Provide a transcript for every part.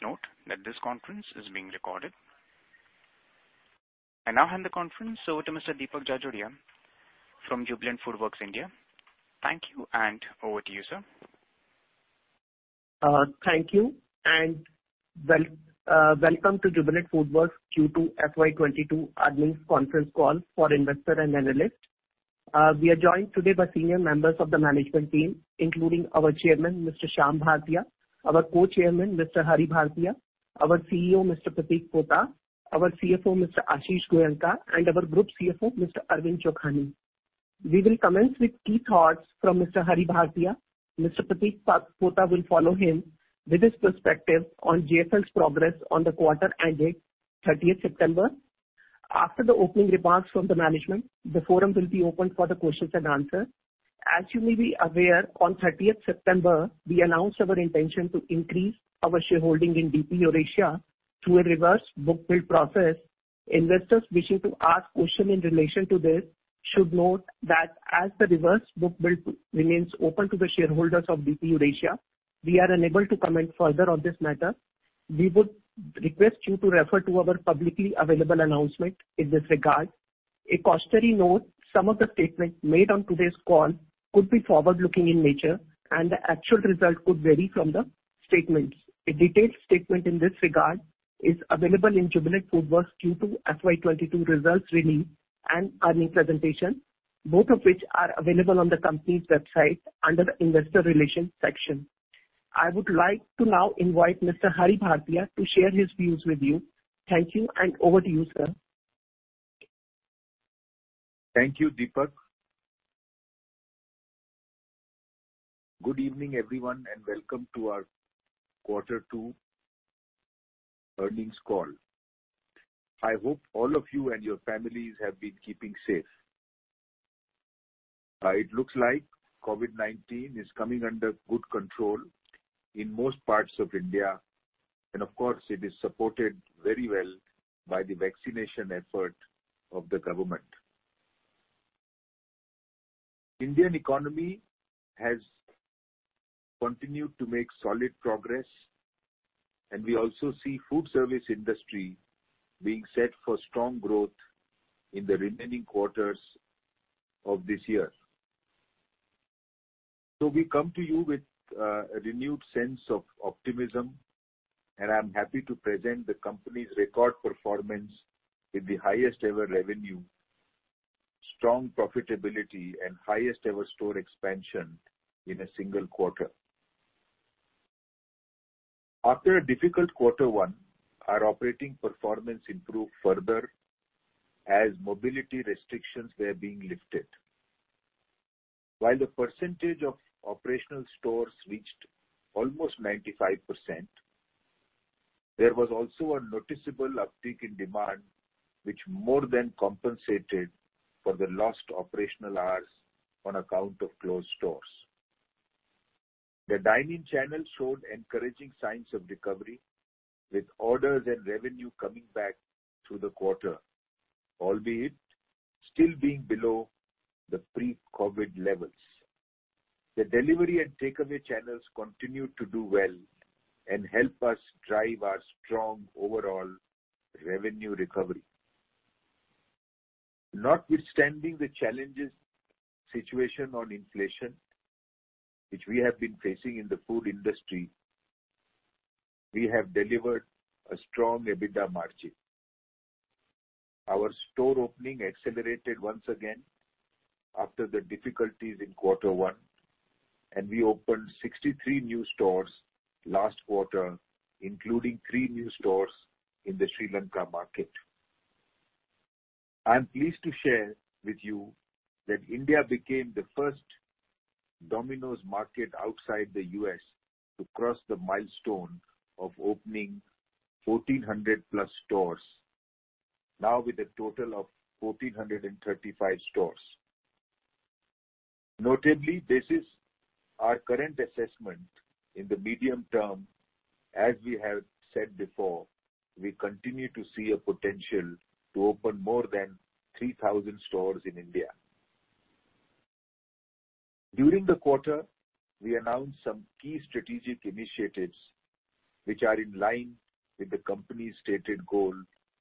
Please note that this conference is being recorded. I now hand the conference over to Mr. Deepak Jajodia from Jubilant FoodWorks India. Thank you, over to you, sir. Thank you. Welcome to Jubilant FoodWorks Q2 FY 2022 earnings conference call for investor and analyst. We are joined today by senior members of the management team, including our Chairman, Mr. Shyam Bhartia, our Co-Chairman, Mr. Hari Bhartia, our CEO, Mr. Pratik Pota, our CFO, Mr. Ashish Goenka, and our Group CFO, Mr. Arvind Chokhany. We will commence with key thoughts from Mr. Hari Bhartia. Mr. Pratik Pota will follow him with his perspective on JFL's progress on the quarter ended 30th September. After the opening remarks from the management, the forum will be open for the questions and answers. As you may be aware, on 30th September, we announced our intention to increase our shareholding in DP Eurasia through a reverse book build process. Investors wishing to ask questions in relation to this should note that as the reverse book build remains open to the shareholders of DP Eurasia, we are unable to comment further on this matter. We would request you to refer to our publicly available announcement in this regard. A cautionary note, some of the statements made on today's call could be forward-looking in nature, and the actual result could vary from the statements. A detailed statement in this regard is available in Jubilant FoodWorks Q2 FY 2022 results release and earnings presentation, both of which are available on the company's website under the investor relations section. I would like to now invite Mr. Hari Bhartia to share his views with you. Thank you, and over to you, sir. Thank you, Deepak. Good evening, everyone, and welcome to our Q2 earnings call. I hope all of you and your families have been keeping safe. It looks like COVID-19 is coming under good control in most parts of India and, of course, it is supported very well by the vaccination effort of the government. Indian economy has continued to make solid progress, and we also see food service industry being set for strong growth in the remaining quarters of this year. We come to you with a renewed sense of optimism, and I'm happy to present the company's record performance with the highest-ever revenue, strong profitability, and highest-ever store expansion in a single quarter. After a difficult quarter one, our operating performance improved further as mobility restrictions were being lifted. While the percentage of operational stores reached almost 95%, there was also a noticeable uptick in demand, which more than compensated for the lost operational hours on account of closed stores. The dine-in channel showed encouraging signs of recovery, with orders and revenue coming back through the quarter, albeit still being below the pre-COVID-19 levels. The delivery and takeaway channels continued to do well and help us drive our strong overall revenue recovery. Notwithstanding the challenging situation on inflation, which we have been facing in the food industry, we have delivered a strong EBITDA margin. Our store opening accelerated once again after the difficulties in quarter one, and we opened 63 new stores last quarter, including 3 new stores in the Sri Lanka market. I am pleased to share with you that India became the first Domino's market outside the U.S. to cross the milestone of opening 1,400+ stores, now with a total of 1,435 stores. Notably, this is our current assessment in the medium term. As we have said before, we continue to see a potential to open more than 3,000 stores in India. During the quarter, we announced some key strategic initiatives which are in line with the company's stated goal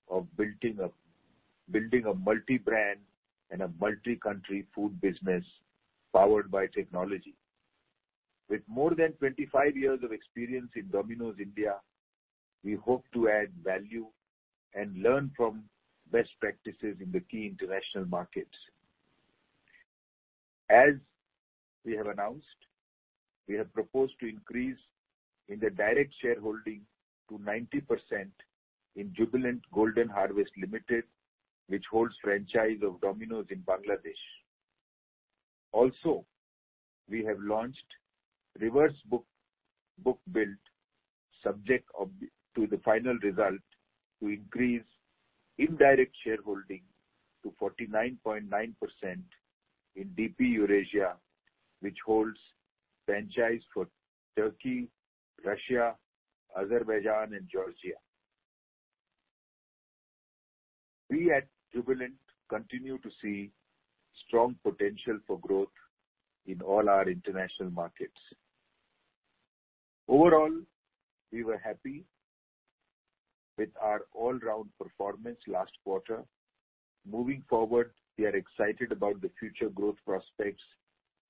of building a multi-brand and a multi-country food business powered by technology. With more than 25 years of experience in Domino's India, we hope to add value and learn from best practices in the key international markets. As we have announced, we have proposed to increase in the direct shareholding to 90% in Jubilant Golden Harvest Limited, which holds franchise of Domino's in Bangladesh. Also we have launched reverse book build subject to the final result to increase indirect shareholding to 49.9% in DP Eurasia, which holds franchise for Turkey, Russia, Azerbaijan, and Georgia. We at Jubilant continue to see strong potential for growth in all our international markets. Overall, we were happy with our all-round performance last quarter. Moving forward, we are excited about the future growth prospects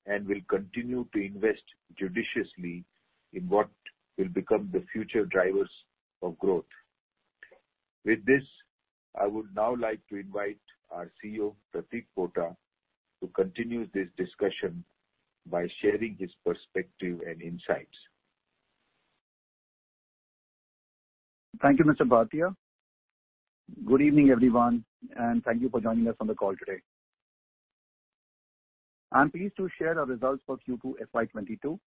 and will continue to invest judiciously in what will become the future drivers of growth. With this, I would now like to invite our CEO, Pratik Pota, to continue this discussion by sharing his perspective and insights. Thank you, Mr. Bhartia. Good evening, everyone, and thank you for joining us on the call today. I'm pleased to share our results for Q2 FY 2022.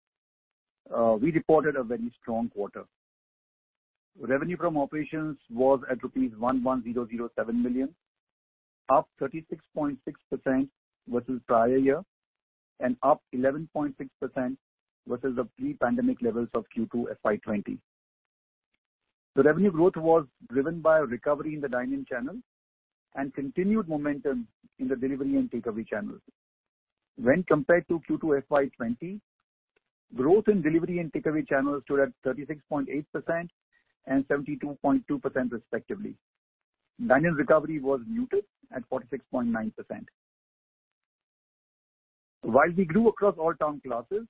We reported a very strong quarter. Revenue from operations was at rupees 11,007 million, up 36.6% versus prior year, and up 11.6% versus the pre-pandemic levels of Q2 FY 2020. The revenue growth was driven by a recovery in the dine-in channel and continued momentum in the delivery and takeaway channels. When compared to Q2 FY 2020, growth in delivery and takeaway channels stood at 36.8% and 72.2% respectively. Dine-in recovery was muted at 46.9%. While we grew across all town classes,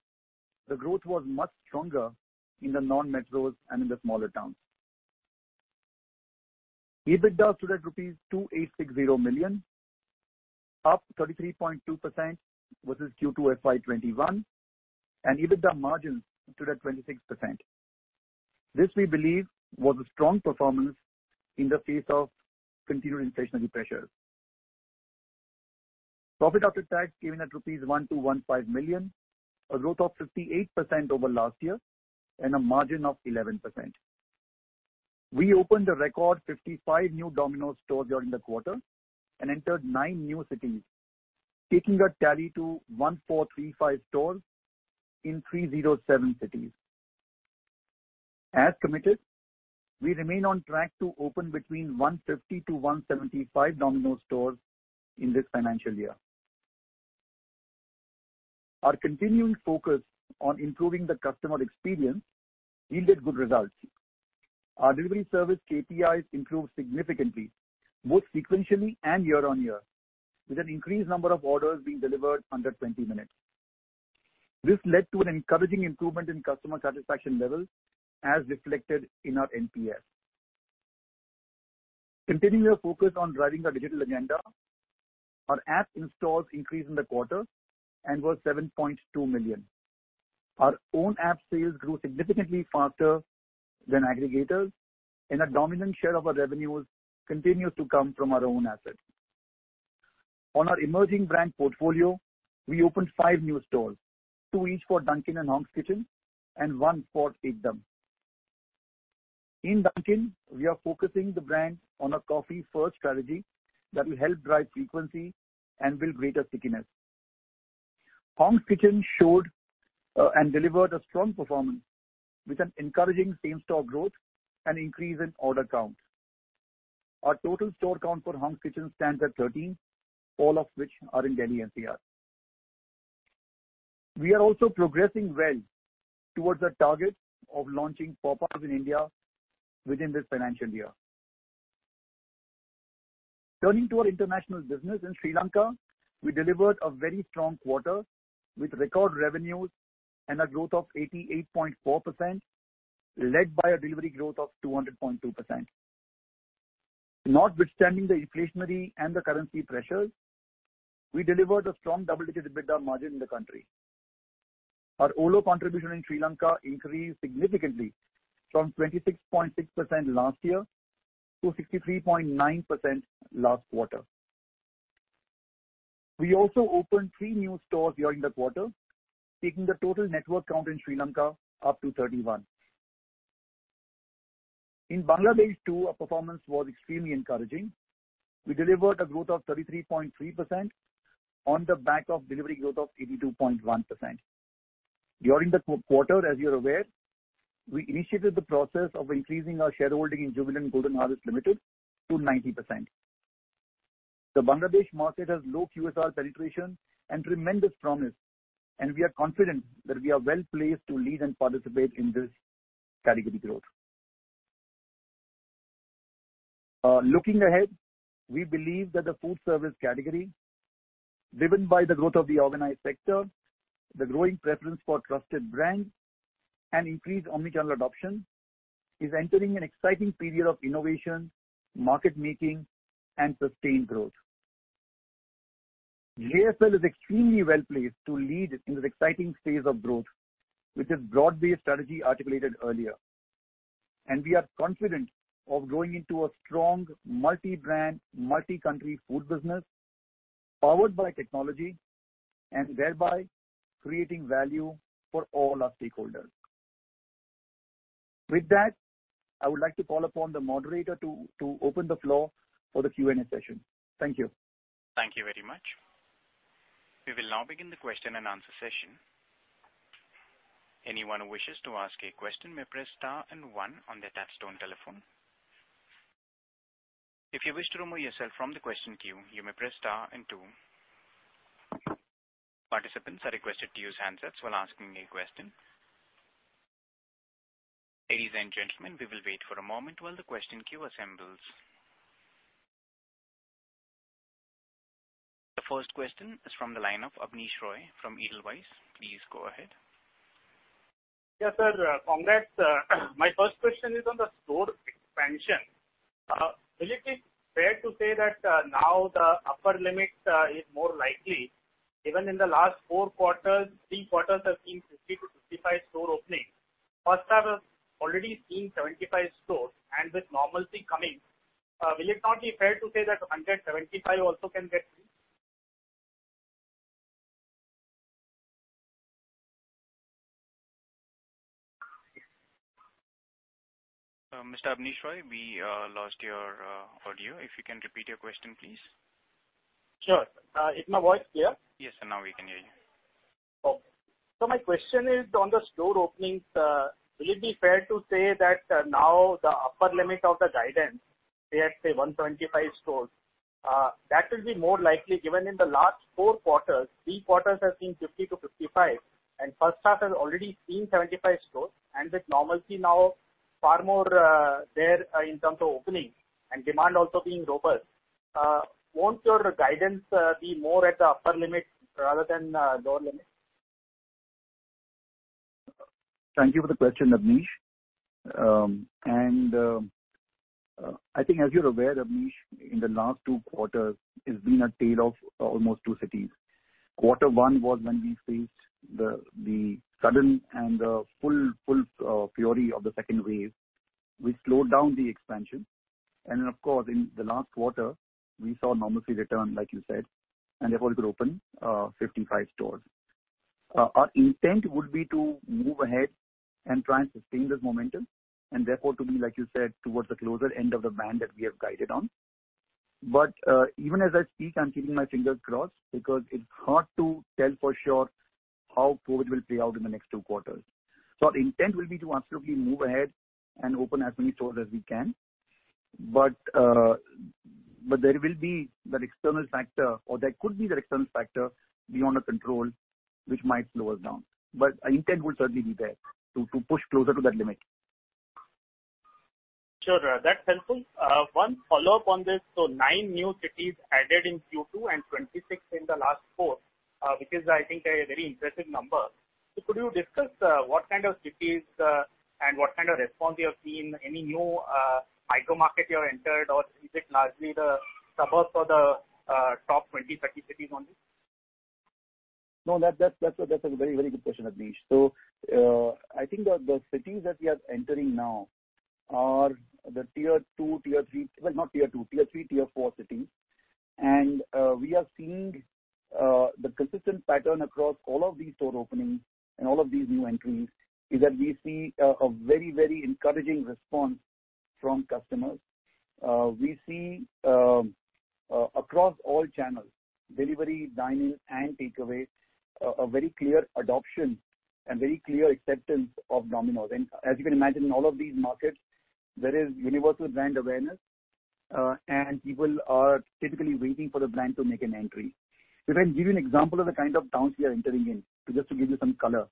the growth was much stronger in the non-metros and in the smaller towns. EBITDA stood at rupees 2,860 million, up 33.2% versus Q2 FY 2021, and EBITDA margins stood at 26%. This, we believe, was a strong performance in the face of continued inflationary pressures. Profit after tax came in at rupees 1,215 million, a growth of 58% over last year and a margin of 11%. We opened a record 55 new Domino's stores during the quarter and entered nine new cities, taking our tally to 1,435 stores in 307 cities. As committed, we remain on track to open between 150-175 Domino's stores in this financial year. Our continuing focus on improving the customer experience yielded good results. Our delivery service KPIs improved significantly, both sequentially and year-on-year, with an increased number of orders being delivered under 20 minutes. This led to an encouraging improvement in customer satisfaction levels as reflected in our NPS. Continuing our focus on driving our digital agenda, our app installs increased in the quarter and were 7.2 million. Our own app sales grew significantly faster than aggregators, and a dominant share of our revenues continues to come from our own assets. On our emerging brand portfolio, we opened five new stores, two each for Dunkin' and Hong's Kitchen, and one for Ekdum!. In Dunkin', we are focusing the brand on a coffee first strategy that will help drive frequency and build greater stickiness. Hong's Kitchen showed and delivered a strong performance with an encouraging same-store growth and increase in order count. Our total store count for Hong's Kitchen stands at 13, all of which are in Delhi NCR. We are also progressing well towards our target of launching Popeyes in India within this financial year. Turning to our international business in Sri Lanka, we delivered a very strong quarter with record revenues and a growth of 88.4%, led by a delivery growth of 200.2%. Notwithstanding the inflationary and the currency pressures, we delivered a strong double-digit EBITDA margin in the country. Our OLO contribution in Sri Lanka increased significantly from 26.6% last year to 63.9% last quarter. We also opened three new stores during the quarter, taking the total network count in Sri Lanka up to 31. In Bangladesh, too, our performance was extremely encouraging. We delivered a growth of 33.3% on the back of delivery growth of 82.1%. During the quarter, as you're aware, we initiated the process of increasing our shareholding in Jubilant Golden Harvest Limited to 90%. The Bangladesh market has low QSR penetration and tremendous promise. We are confident that we are well placed to lead and participate in this category growth. Looking ahead, we believe that the food service category, driven by the growth of the organized sector, the growing preference for trusted brands, and increased omnichannel adoption, is entering an exciting period of innovation, market making, and sustained growth. JFL is extremely well placed to lead in this exciting phase of growth with its broad-based strategy articulated earlier. We are confident of growing into a strong multi-brand, multi-country food business powered by technology and thereby creating value for all our stakeholders. With that, I would like to call upon the moderator to open the floor for the Q&A session. Thank you. Thank you very much. We will now begin the question and answer session. Anyone who wishes to ask a question may press star and one on their touch-tone telephone. If you wish to remove yourself from the question queue, you may press star and two. Participants are requested to use handsets while asking a question. Ladies and gentlemen, we will wait for a moment while the question queue assembles. The first question is from the line of Abneesh Roy from Edelweiss. Please go ahead. Yes, sir. Congrats. My first question is on the store expansion. Will it be fair to say that now the upper limit is more likely, given in the last four quarters, three quarters have seen 50-55 store openings? First quarter has already seen 75 stores, and with normalcy coming, will it not be fair to say that 175 also can get reached? Mr. Abneesh Roy, we lost your audio. If you can repeat your question, please. Sure. Is my voice clear? Yes, sir. Now we can hear you. Okay. My question is on the store openings. Will it be fair to say that now the upper limit of the guidance, say at 125 stores, that will be more likely given in the last four quarters, three quarters have seen 50-55, and first quarter has already seen 75 stores. With normalcy now far more there in terms of openings and demand also being robust, won't your guidance be more at the upper limit rather than lower limit? Thank you for the question, Abneesh. I think as you're aware, Abneesh, in the last two quarters, it's been a tale of almost two cities. Quarter one was when we faced the sudden and the full fury of the second wave. We slowed down the expansion and then, of course, in the last quarter, we saw normalcy return, like you said, and therefore we could open 55 stores. Our intent would be to move ahead and try and sustain this momentum, and therefore to be, like you said, towards the closer end of the band that we have guided on. Even as I speak, I'm keeping my fingers crossed because it's hard to tell for sure how COVID will play out in the next two quarters. Our intent will be to absolutely move ahead and open as many stores as we can. There will be that external factor, or there could be that external factor beyond our control, which might slow us down. Our intent would certainly be there to push closer to that limit. Sure. That's helpful. One follow-up on this. Nine new cities added in Q2 and 26 in the last quarter, which is, I think, a very impressive number. Could you discuss what kind of cities and what kind of response you have seen, any new micro-market you have entered, or is it largely the suburbs or the top 20, 30 cities only? No, that's a very good question, Abneesh. I think that the cities that we are entering now are Well, not Tier 2, Tier 3, Tier 4 cities. We are seeing the consistent pattern across all of these store openings and all of these new entries, is that we see a very encouraging response from customers. We see, across all channels, delivery, dine-in, and takeaway, a very clear adoption and very clear acceptance of Domino's. As you can imagine, in all of these markets, there is universal brand awareness, and people are typically waiting for the brand to make an entry. If I give you an example of the kind of towns we are entering in, just to give you some color.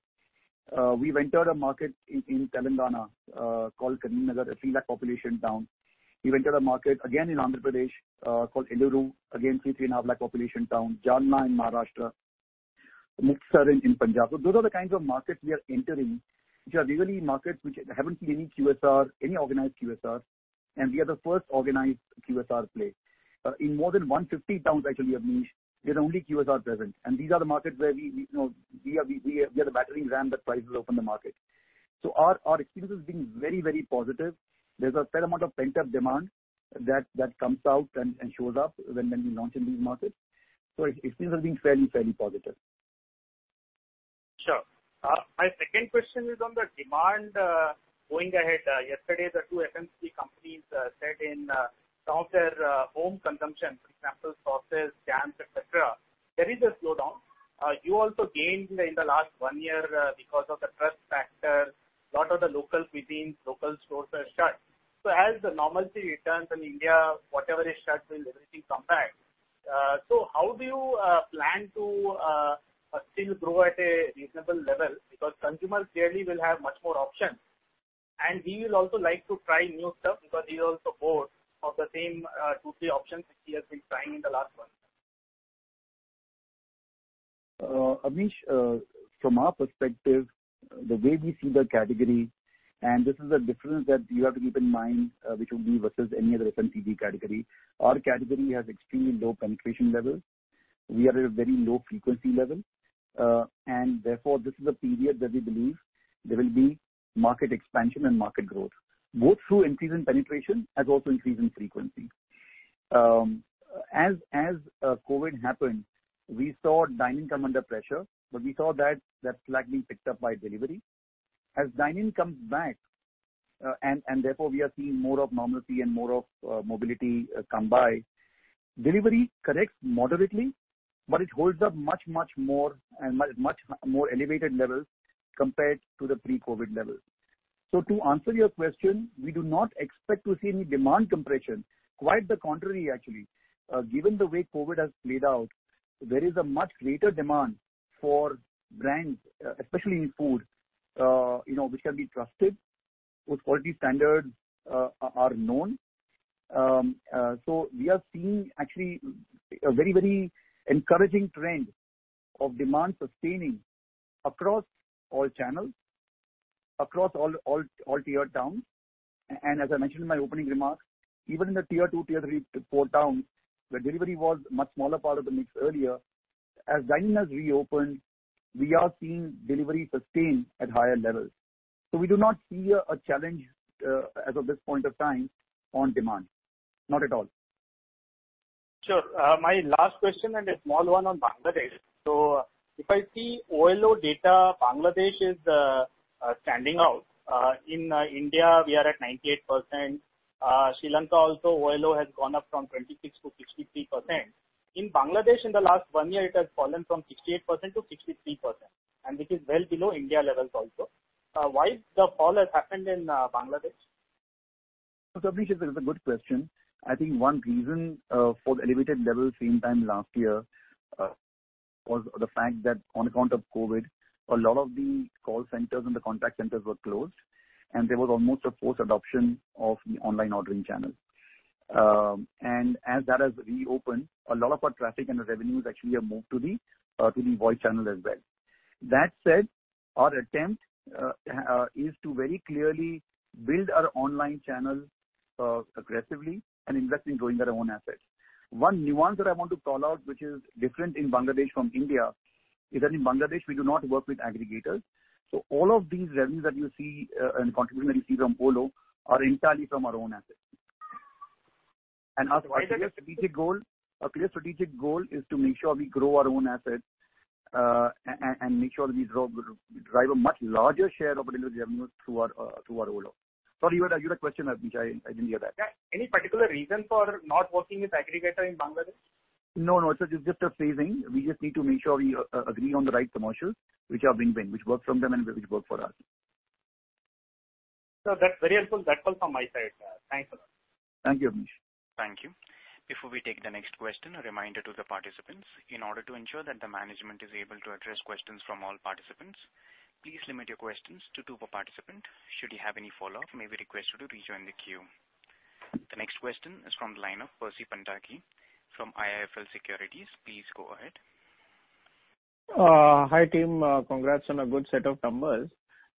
We've entered a market in Telangana, called Karimnagar, a 3 lakh population town. We've entered a market again in Andhra Pradesh, called Eluru, again, 3.5 lakh population town. Jalna in Maharashtra, Muktsar in Punjab. Those are the kinds of markets we are entering, which are really markets which haven't seen any QSR, any organized QSR, and we are the first organized QSR play. In more than 150 towns actually, Abneesh, we are the only QSR present, and these are the markets where we are the battering ram that tries to open the market. Our experience has been very positive. There's a fair amount of pent-up demand that comes out and shows up when we launch in these markets. Experience has been fairly positive. Sure. My second question is on the demand going ahead. Yesterday, the two FMCG companies said in some of their home consumption, for example, sauces, jams, et cetera, there is a slowdown. You also gained in the last ONE year because of the trust factor. A lot of the local cuisines, local stores are shut. As the normalcy returns in India, whatever is shut, will everything come back? How do you plan to still grow at a reasonable level? Consumers clearly will have much more options, and we will also like to try new stuff because we are also bored of the same two, three options which we have been trying in the last one year. Abneesh, from our perspective, the way we see the category, This is a difference that you have to keep in mind, which will be versus any other FMCG category. Our category has extremely low penetration levels. We are at a very low frequency level. Therefore, this is a period that we believe there will be market expansion and market growth, both through increase in penetration as also increase in frequency. As COVID-19 happened, We saw dine-in come under pressure, We saw that slack being picked up by delivery. Therefore, we are seeing more of normalcy and more of mobility come by. Delivery corrects moderately, It holds up much more and at much more elevated levels compared to the pre-COVID-19 levels. To answer your question, we do not expect to see any demand compression. Quite the contrary, actually. Given the way COVID has played out, there is a much greater demand for brands, especially in food which can be trusted, whose quality standards are known. We are seeing actually a very encouraging trend of demand sustaining across all channels, across all tiered towns. As I mentioned in my opening remarks, even in the Tier 2, Tier 3, 4 towns, where delivery was a much smaller part of the mix earlier, as dine-in has reopened, we are seeing delivery sustain at higher levels. We do not see a challenge as of this point of time on demand. Not at all. Sure. My last question, a small one on Bangladesh. If I see OLO data, Bangladesh is standing out. In India, we are at 98%. Sri Lanka also, OLO has gone up from 26%-63%. In Bangladesh in the last one year, it has fallen from 68%-63%, which is well below India levels also. Why the fall has happened in Bangladesh? Abneesh, this is a good question. I think one reason for the elevated levels same time last year was the fact that on account of COVID, a lot of the call centers and the contact centers were closed and there was almost a forced adoption of the online ordering channel. As that has reopened, a lot of our traffic and the revenues actually have moved to the voice channel as well. That said, our attempt is to very clearly build our online channel aggressively and invest in growing our own assets. One nuance that I want to call out, which is different in Bangladesh from India, is that in Bangladesh we do not work with aggregators. All of these revenues that you see and contribution that you see from OLO are entirely from our own assets. Our clear strategic goal is to make sure we grow our own assets and make sure that we drive a much larger share of revenue through our OLO. Sorry, you had a question, Abneesh. I didn't hear that. Yeah. Any particular reason for not working with aggregator in Bangladesh? No, it's just a phasing. We just need to make sure we agree on the right commercials which are win-win, which works from them and which work for us. Sir, that's very helpful. That's all from my side, sir. Thanks a lot. Thank you, Abneesh Roy. Thank you. Before we take the next question, a reminder to the participants. In order to ensure that the management is able to address questions from all participants, please limit your questions to two per participant. Should you have any follow-up, you may be requested to rejoin the queue. The next question is from the line of Percy Panthaki from IIFL Securities. Please go ahead. Hi, team. Congrats on a good set of numbers.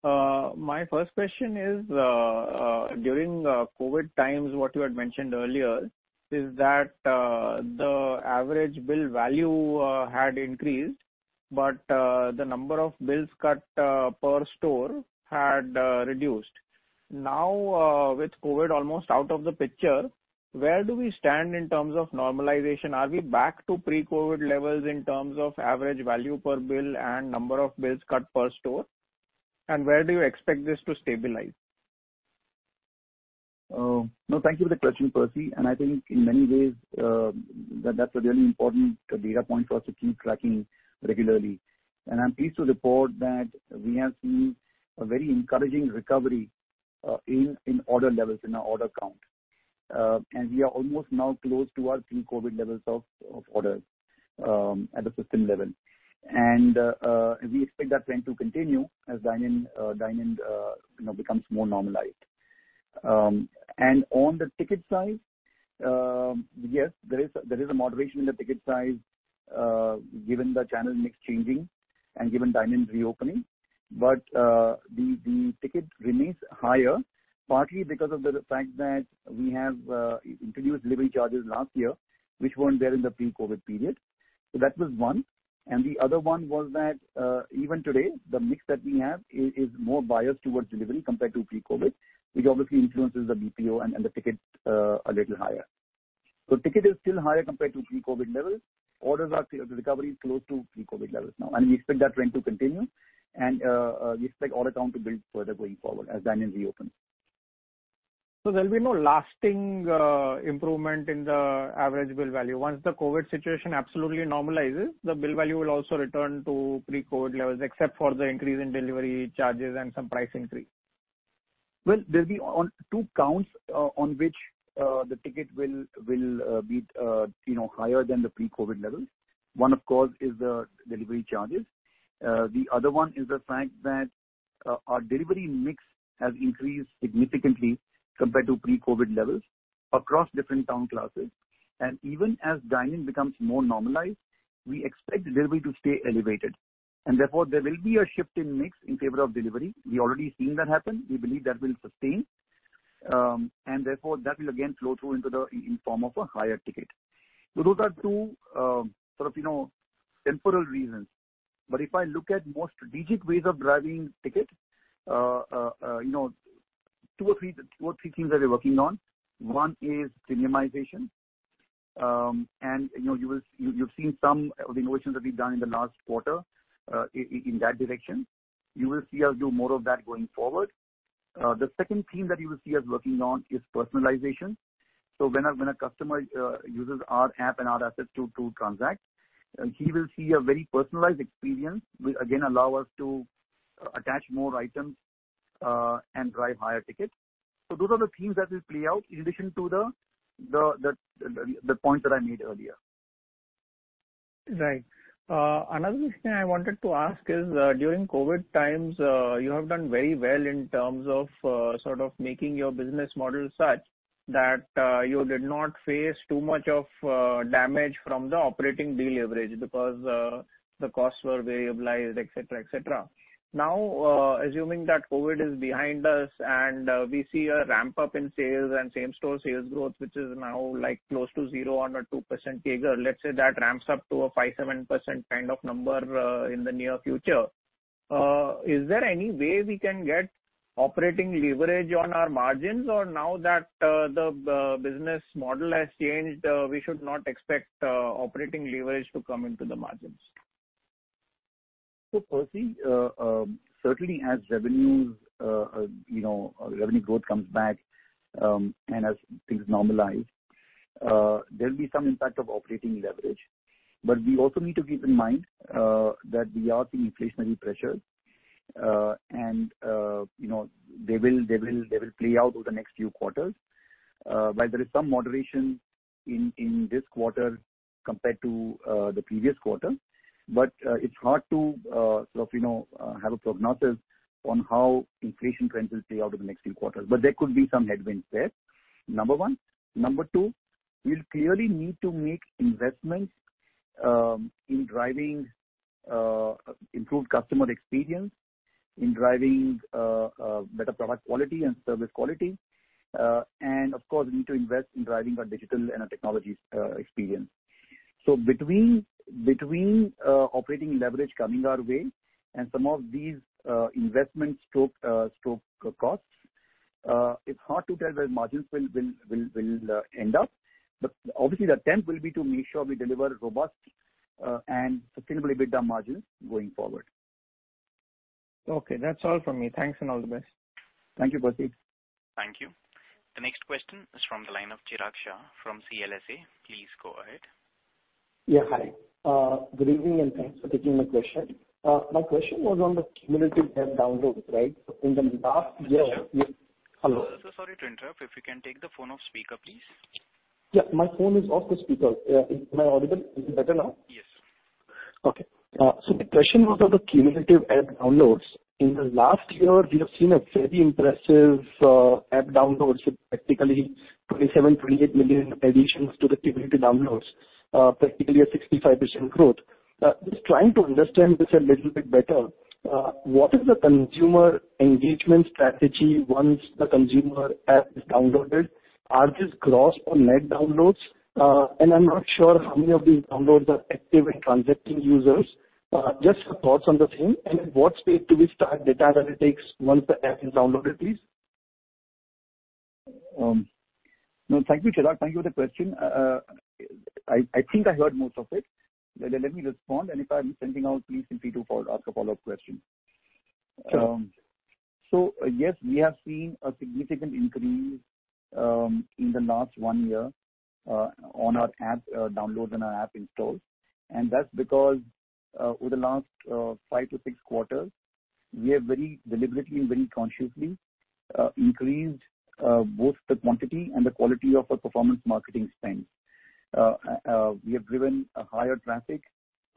My first question is during COVID times, what you had mentioned earlier is that the average bill value had increased, but the number of bills cut per store had reduced. With COVID almost out of the picture, where do we stand in terms of normalization? Are we back to pre-COVID levels in terms of average value per bill and number of bills cut per store? Where do you expect this to stabilize? Thank you for the question, Percy, and I think in many ways that's a really important data point for us to keep tracking regularly. I'm pleased to report that we have seen a very encouraging recovery in order levels, in our order count. We are almost now close to our pre-COVID levels of orders at the system level. We expect that trend to continue as dine-in becomes more normalized. On the ticket size, yes, there is a moderation in the ticket size given the channel mix changing and given dine-in reopening. The ticket remains higher, partly because of the fact that we have introduced delivery charges last year which weren't there in the pre-COVID period. That was one. The other one was that even today, the mix that we have is more biased towards delivery compared to pre-COVID, which obviously influences the APO and the ticket a little higher. Ticket is still higher compared to pre-COVID levels. The recovery is close to pre-COVID levels now, and we expect that trend to continue and we expect order count to build further going forward as dine-in reopens. There'll be no lasting improvement in the average bill value. Once the COVID situation absolutely normalizes, the bill value will also return to pre-COVID levels, except for the increase in delivery charges and some price increase. Well, there'll be two counts on which the ticket will be higher than the pre-COVID levels. One, of course, is the delivery charges. The other one is the fact that our delivery mix has increased significantly compared to pre-COVID levels across different town classes. Even as dine-in becomes more normalized, we expect delivery to stay elevated. Therefore there will be a shift in mix in favor of delivery. We've already seen that happen. We believe that will sustain. Therefore, that will again flow through in form of a higher ticket. Those are two temporal reasons. If I look at more strategic ways of driving ticket, two or three things that we're working on. One is cinemaization. You've seen some of the innovations that we've done in the last quarter in that direction. You will see us do more of that going forward. The second theme that you will see us working on is personalization. When a customer uses our app and our assets to transact, he will see a very personalized experience, will again allow us to attach more items and drive higher tickets. Those are the themes that will play out in addition to the points that I made earlier. Another thing I wanted to ask is, during COVID times, you have done very well in terms of making your business model such that you did not face too much of damage from the operating deleverage because the costs were variabilized, et cetera. Assuming that COVID is behind us and we see a ramp-up in sales and same-store sales growth, which is now close to zero or 2% CAGR, let's say that ramps up to a 5%-7% kind of number in the near future. Is there any way we can get operating leverage on our margins? Now that the business model has changed, we should not expect operating leverage to come into the margins? Percy, certainly as revenue growth comes back, as things normalize, there'll be some impact of operating leverage. We also need to keep in mind that we are seeing inflationary pressures, and they will play out over the next few quarters. While there is some moderation in this quarter compared to the previous quarter. It's hard to have a prognosis on how inflation trends will play out over the next few quarters. There could be some headwinds there, number one. Number two, we'll clearly need to make investments in driving improved customer experience, in driving better product quality and service quality. Of course, we need to invest in driving our digital and our technology experience. Between operating leverage coming our way and some of these investment stroke costs, it's hard to tell where margins will end up. Obviously the attempt will be to make sure we deliver robust and sustainable EBITDA margins going forward. Okay. That's all from me. Thanks and all the best. Thank you, Percy. Thank you. The next question is from the line of Chirag Shah from CLSA. Please go ahead. Yeah. Hi. Good evening, and thanks for taking my question. My question was on the cumulative app downloads. Mr. Shah. Hello. Sir, sorry to interrupt. If you can take the phone off speaker, please. Yeah, my phone is off the speaker. Am I audible? Is it better now? Yes. Okay. The question was on the cumulative app downloads. In the last year, we have seen a very impressive app downloads, practically 27 million-28 million additions to the cumulative downloads, practically a 65% growth. Trying to understand this a little bit better. What is the consumer engagement strategy once the consumer app is downloaded? Are these gross or net downloads? I'm not sure how many of these downloads are active and transacting users. Your thoughts on the same, and what's the activity type data analytics once the app is downloaded, please? No, thank you, Chirag. Thank you for the question. I think I heard most of it. Let me respond, and if I'm missing out, please feel free to ask a follow-up question. Sure. Yes, we have seen a significant increase in the last one year on our app downloads and our app installs, and that's because over the last five to six quarters, we have very deliberately and very consciously increased both the quantity and the quality of our performance marketing spend. We have driven a higher traffic,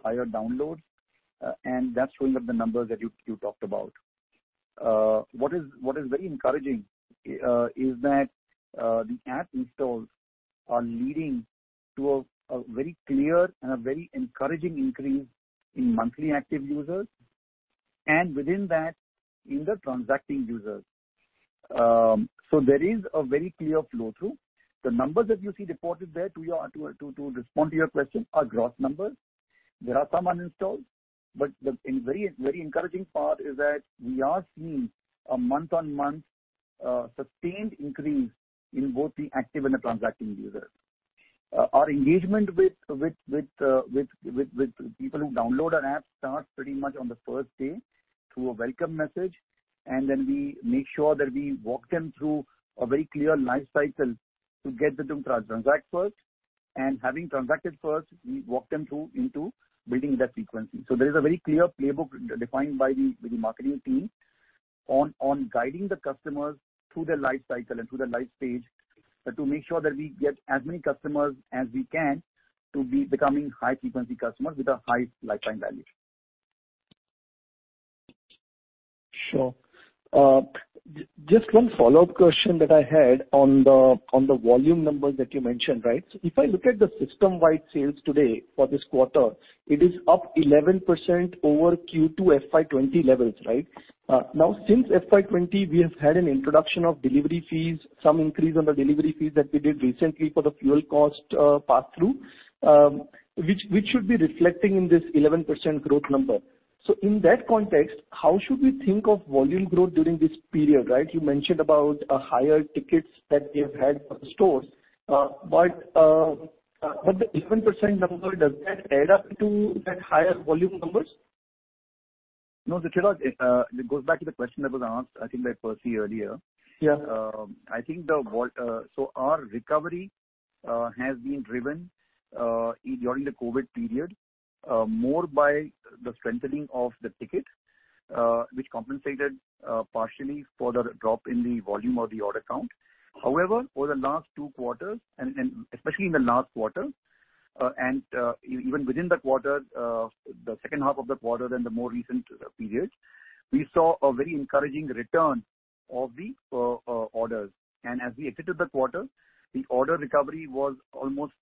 higher downloads, and that's showing up the numbers that you talked about. What is very encouraging is that the app installs are leading to a very clear and a very encouraging increase in monthly active users, and within that, in the transacting users. There is a very clear flow-through. The numbers that you see reported there, to respond to your question, are gross numbers. There are some uninstalls. The very encouraging part is that we are seeing a month-on-month sustained increase in both the active and the transacting users. Our engagement with people who download our app starts pretty much on the first day through a welcome message, then we make sure that we walk them through a very clear life cycle to get them to transact first. Having transacted first, we walk them through into building that frequency. There is a very clear playbook defined by the marketing team on guiding the customers through their life cycle and through their life stage to make sure that we get as many customers as we can to be becoming high-frequency customers with a high lifetime value. Sure. Just one follow-up question that I had on the volume numbers that you mentioned. If I look at the system-wide sales today for this quarter, it is up 11% over Q2 FY 2020 levels. Now, since FY20, we have had an introduction of delivery fees, some increase on the delivery fees that we did recently for the fuel cost pass-through, which should be reflecting in this 11% growth number. In that context, how should we think of volume growth during this period, right? You mentioned about higher tickets that you've had for the stores, but the 11% number, does that add up to that higher volume numbers? No, Chirag. It goes back to the question that was asked, I think by Percy earlier. Yeah. Our recovery has been driven during the COVID period more by the strengthening of the ticket which compensated partially for the drop in the volume of the order count. However, for the last two quarters and especially in the last quarter, and even within the quarter, the second half of the quarter, then the more recent period, we saw a very encouraging return of the orders. As we exited the quarter, the order recovery was almost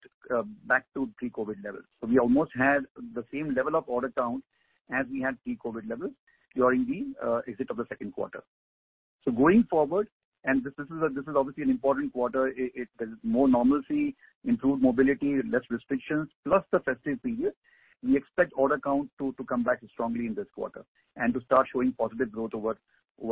back to pre-COVID levels. We almost had the same level of order count as we had pre-COVID levels during the exit of the second quarter. Going forward, and this is obviously an important quarter. There is more normalcy, improved mobility, less restrictions, plus the festive period. We expect order count to come back strongly in this quarter and to start showing positive growth over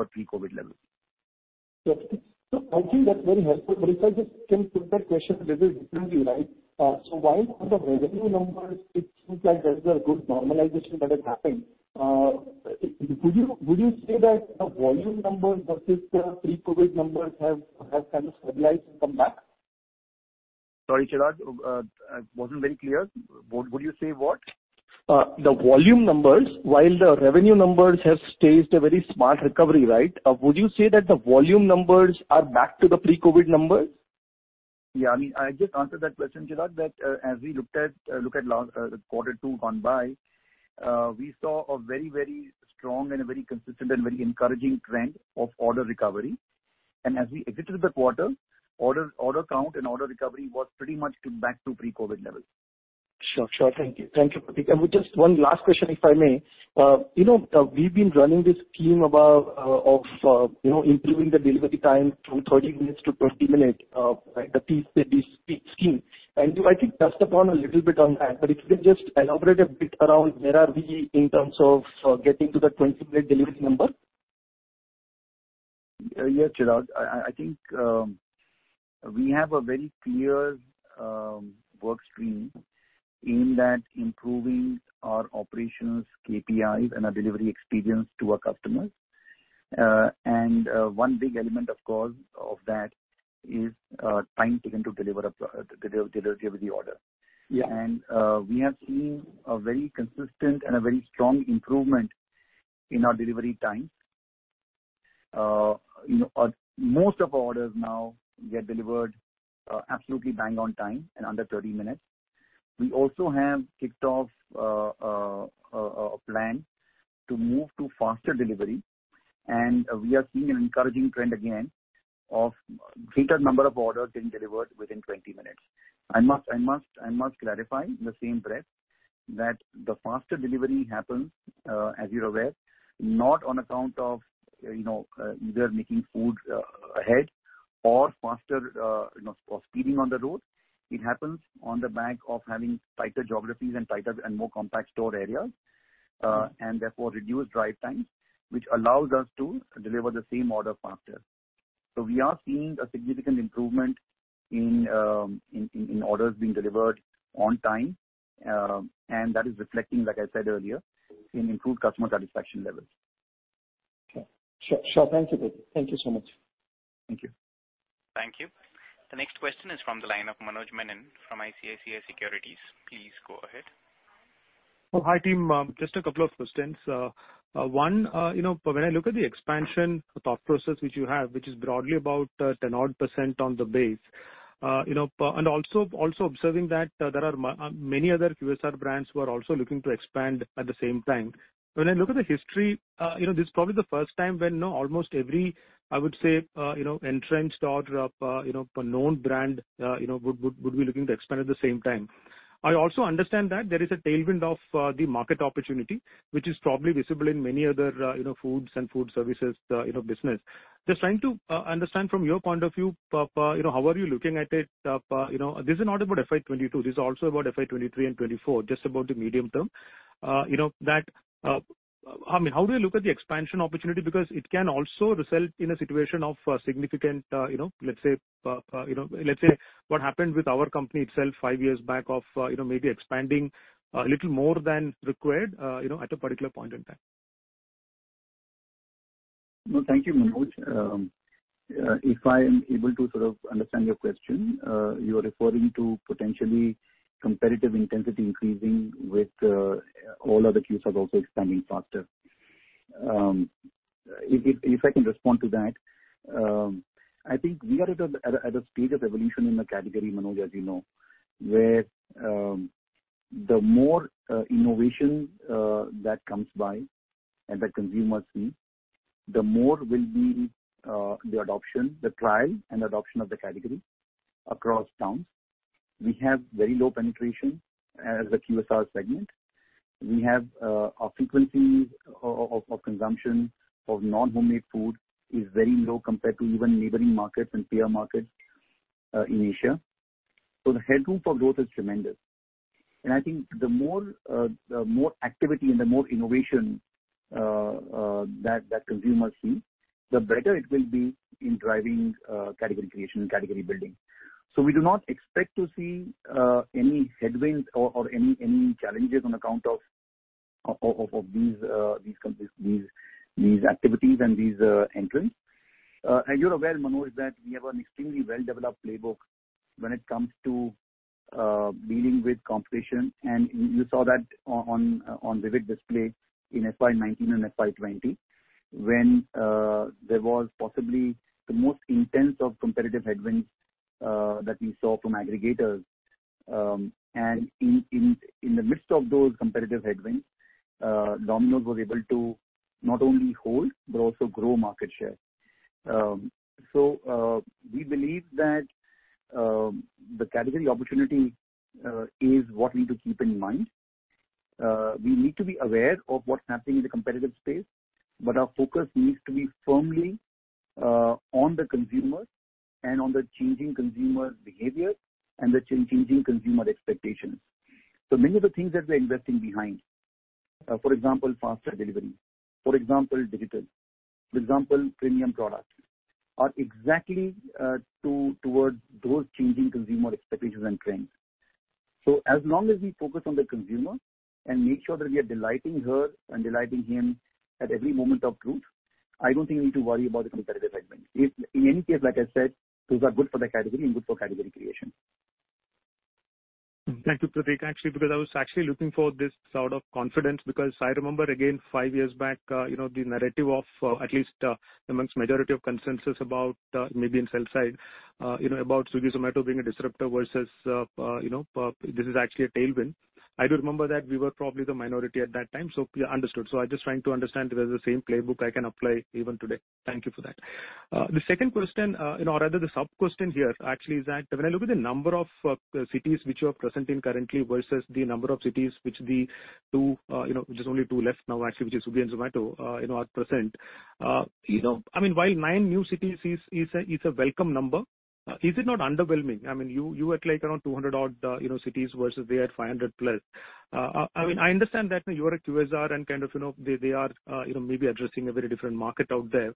pre-COVID levels. Sure. I think that's very helpful, but if I just can put that question a little differently, right? While on the revenue numbers it seems like there is a good normalization that has happened, would you say that the volume numbers versus the pre-COVID numbers have kind of stabilized and come back? Sorry, Chirag, wasn't very clear. Would you say what? The volume numbers, while the revenue numbers have staged a very smart recovery, right? Would you say that the volume numbers are back to the pre-COVID numbers? I just answered that question, Chirag, that as we look at Q2 gone by, we saw a very strong and a very consistent and very encouraging trend of order recovery. As we exited the quarter, order count and order recovery was pretty much back to pre-COVID levels. Sure. Thank you, Pratik. Just one last question, if I may. We've been running this scheme of improving the delivery time from 30 minutes-20 minutes, the Speed Scheme. You, I think, touched upon a little bit on that, but if you could just elaborate a bit around where are we in terms of getting to the 20-minute delivery number? Yeah, Chirag. I think we have a very clear work stream in that improving our operations, KPIs, and our delivery experience to our customers. One big element, of course, of that is time taken to deliver the order. Yeah. We have seen a very consistent and a very strong improvement in our delivery time. Most of our orders now get delivered absolutely bang on time and under 30 minutes. We also have kicked off a plan to move to faster delivery and we are seeing an encouraging trend again of greater number of orders being delivered within 20 minutes. I must clarify in the same breath that the faster delivery happens as you're aware, not on account of either making food ahead or speeding on the road. It happens on the back of having tighter geographies and more compact store areas, and therefore reduced drive times, which allows us to deliver the same order faster. We are seeing a significant improvement in orders being delivered on time, and that is reflecting, like I said earlier, in improved customer satisfaction levels. Okay. Sure. Thank you, Pratik. Thank you so much. Thank you. Thank you. The next question is from the line of Manoj Menon from ICICI Securities. Please go ahead. Hi, team. Just a couple of questions. One, when I look at the expansion thought process which you have, which is broadly about 10 odd % on the base, and also observing that there are many other QSR brands who are also looking to expand at the same time. When I look at the history, this is probably the first time when almost every, I would say, entrenched or known brand would be looking to expand at the same time. I also understand that there is a tailwind of the market opportunity, which is probably visible in many other foods and food services business. Just trying to understand from your point of view, how are you looking at it? This is not about FY 2022, this is also about FY 2023 and FY 2024, just about the medium term. How do you look at the expansion opportunity? It can also result in a situation of significant, let's say, what happened with our company itself five years back of maybe expanding a little more than required at a particular point in time. No, thank you, Manoj. If I am able to sort of understand your question, you're referring to potentially competitive intensity increasing with all other QSRs also expanding faster. If I can respond to that, I think we are at a stage of evolution in the category, Manoj, as you know, where the more innovation that comes by and that consumers see, the more will be the trial and adoption of the category across towns. We have very low penetration as a QSR segment. We have our frequencies of consumption of non-homemade food is very low compared to even neighboring markets and peer markets in Asia. The headroom for growth is tremendous. I think the more activity and the more innovation that consumers see, the better it will be in driving category creation and category building. We do not expect to see any headwinds or any challenges on account of these activities and these entrants. As you're aware, Manoj, is that we have an extremely well-developed playbook when it comes to dealing with competition. You saw that on vivid display in FY 19 and FY 20 when there was possibly the most intense of competitive headwinds that we saw from aggregators. In the midst of those competitive headwinds, Domino's was able to not only hold but also grow market share. We believe that the category opportunity is what we need to keep in mind. We need to be aware of what's happening in the competitive space, but our focus needs to be firmly on the consumer and on the changing consumer behavior and the changing consumer expectations. Many of the things that we're investing behind, for example, faster delivery, for example, digital, for example, premium products, are exactly towards those changing consumer expectations and trends. As long as we focus on the consumer and make sure that we are delighting her and delighting him at every moment of truth, I don't think we need to worry about the competitive segment. In any case, like I said, those are good for the category and good for category creation. Thank you, Pratik. I was actually looking for this sort of confidence because I remember again, five years back, the narrative of at least amongst majority of consensus about maybe in sell-side, about Swiggy, Zomato being a disruptor versus this is actually a tailwind. I do remember that we were probably the minority at that time. Understood. I'm just trying to understand whether the same playbook I can apply even today. Thank you for that. The second question, or rather the sub-question here actually, is that when I look at the number of cities which you are present in currently versus the number of cities which the two, which is only two left now actually, which is Swiggy and Zomato are present. While nine new cities is a welcome number, is it not underwhelming? You were at around 200 odd cities versus they had 500 plus. I understand that you are a QSR. They are maybe addressing a very different market out there.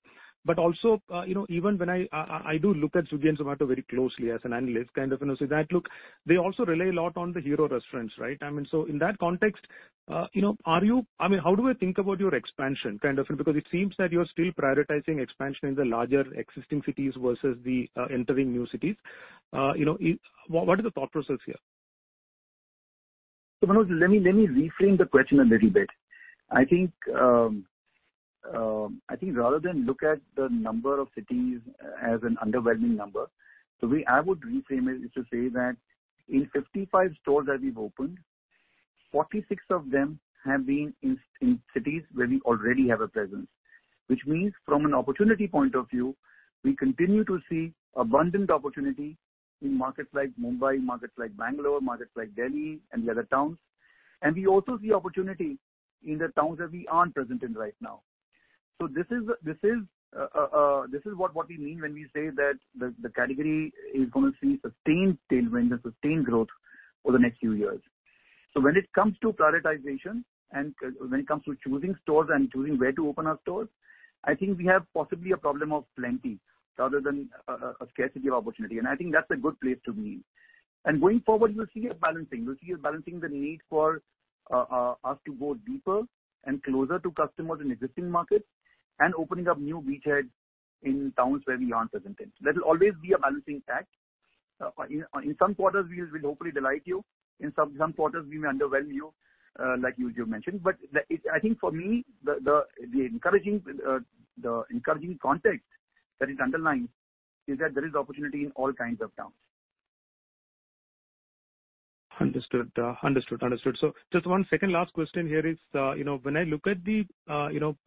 Even when I do look at Swiggy and Zomato very closely as an analyst, kind of say that, look, they also rely a lot on the hero restaurants, right? In that context, how do I think about your expansion? It seems that you're still prioritizing expansion in the larger existing cities versus the entering new cities. What is the thought process here? Manoj, let me reframe the question a little bit. I think rather than look at the number of cities as an underwhelming number, the way I would reframe it is to say that in 55 stores that we've opened, 46 of them have been in cities where we already have a presence, which means from an opportunity point of view, we continue to see abundant opportunity in markets like Mumbai, markets like Bangalore, markets like Delhi, and the other towns. We also see opportunity in the towns that we aren't present in right now. This is what we mean when we say that the category is going to see sustained tailwind and sustained growth over the next few years. When it comes to prioritization and when it comes to choosing stores and choosing where to open our stores, I think we have possibly a problem of plenty rather than a scarcity of opportunity. I think that's a good place to be. Going forward, you'll see a balancing. You'll see us balancing the need for us to go deeper and closer to customers in existing markets and opening up new beachheads in towns where we aren't present in. That will always be a balancing act. In some quarters, we will hopefully delight you. In some quarters, we may underwhelm you, like you mentioned. I think for me, the encouraging context that is underlined is that there is opportunity in all kinds of towns. Understood. Just one second, last question here is, when I look at the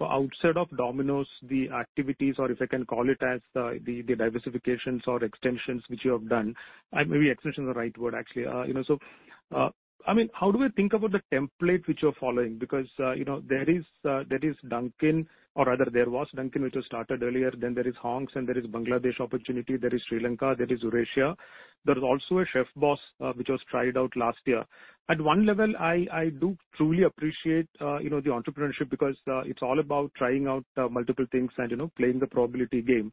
outside of Domino's, the activities or if I can call it as the diversifications or extensions which you have done, maybe extension is the right word, actually. How do I think about the template which you're following? There is Dunkin', or rather there was Dunkin' which was started earlier, then there is Hong's and there is Bangladesh opportunity, there is Sri Lanka, there is Eurasia. There is also a ChefBoss, which was tried out last year. At one level, I do truly appreciate the entrepreneurship because it's all about trying out multiple things and playing the probability game.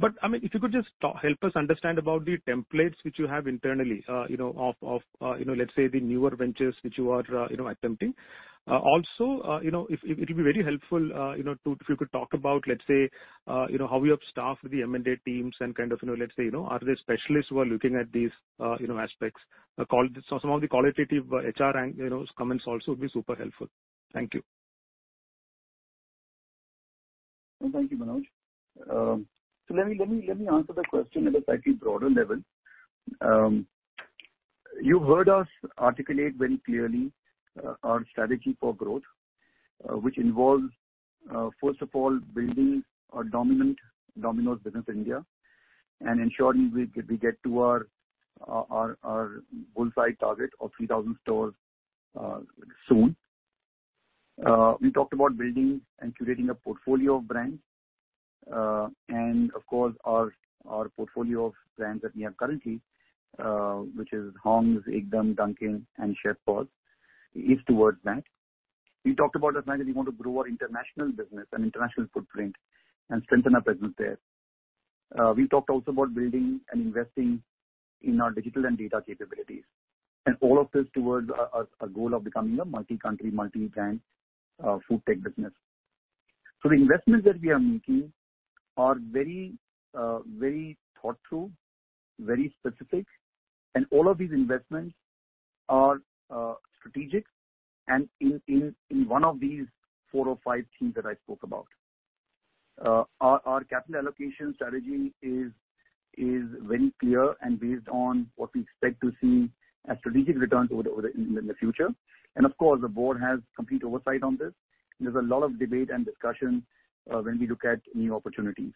If you could just help us understand about the templates which you have internally of let's say the newer ventures which you are attempting. It'll be very helpful if you could talk about, let's say, how you have staffed the M&A teams and kind of, let's say, are there specialists who are looking at these aspects? Some of the qualitative HR comments also would be super helpful. Thank you. Thank you, Manoj. Let me answer the question at a slightly broader level. You heard us articulate very clearly our strategy for growth, which involves, first of all, building a dominant Domino's business in India and ensuring we get to our bull's-eye target of 3,000 stores soon. We talked about building and curating a portfolio of brands. Of course, our portfolio of brands that we have currently, which is Hong's, Ekdum!, Dunkin', and ChefBoss is towards that. We talked about as well that we want to grow our international business and international footprint and strengthen our presence there. We talked also about building and investing in our digital and data capabilities. All of this towards a goal of becoming a multi-country, multi-brand food tech business. The investments that we are making are very thought through, very specific, and all of these investments are strategic and in one of these four or five themes that I spoke about. Our capital allocation strategy is very clear and based on what we expect to see as strategic returns over in the future. Of course, the board has complete oversight on this. There's a lot of debate and discussion when we look at new opportunities.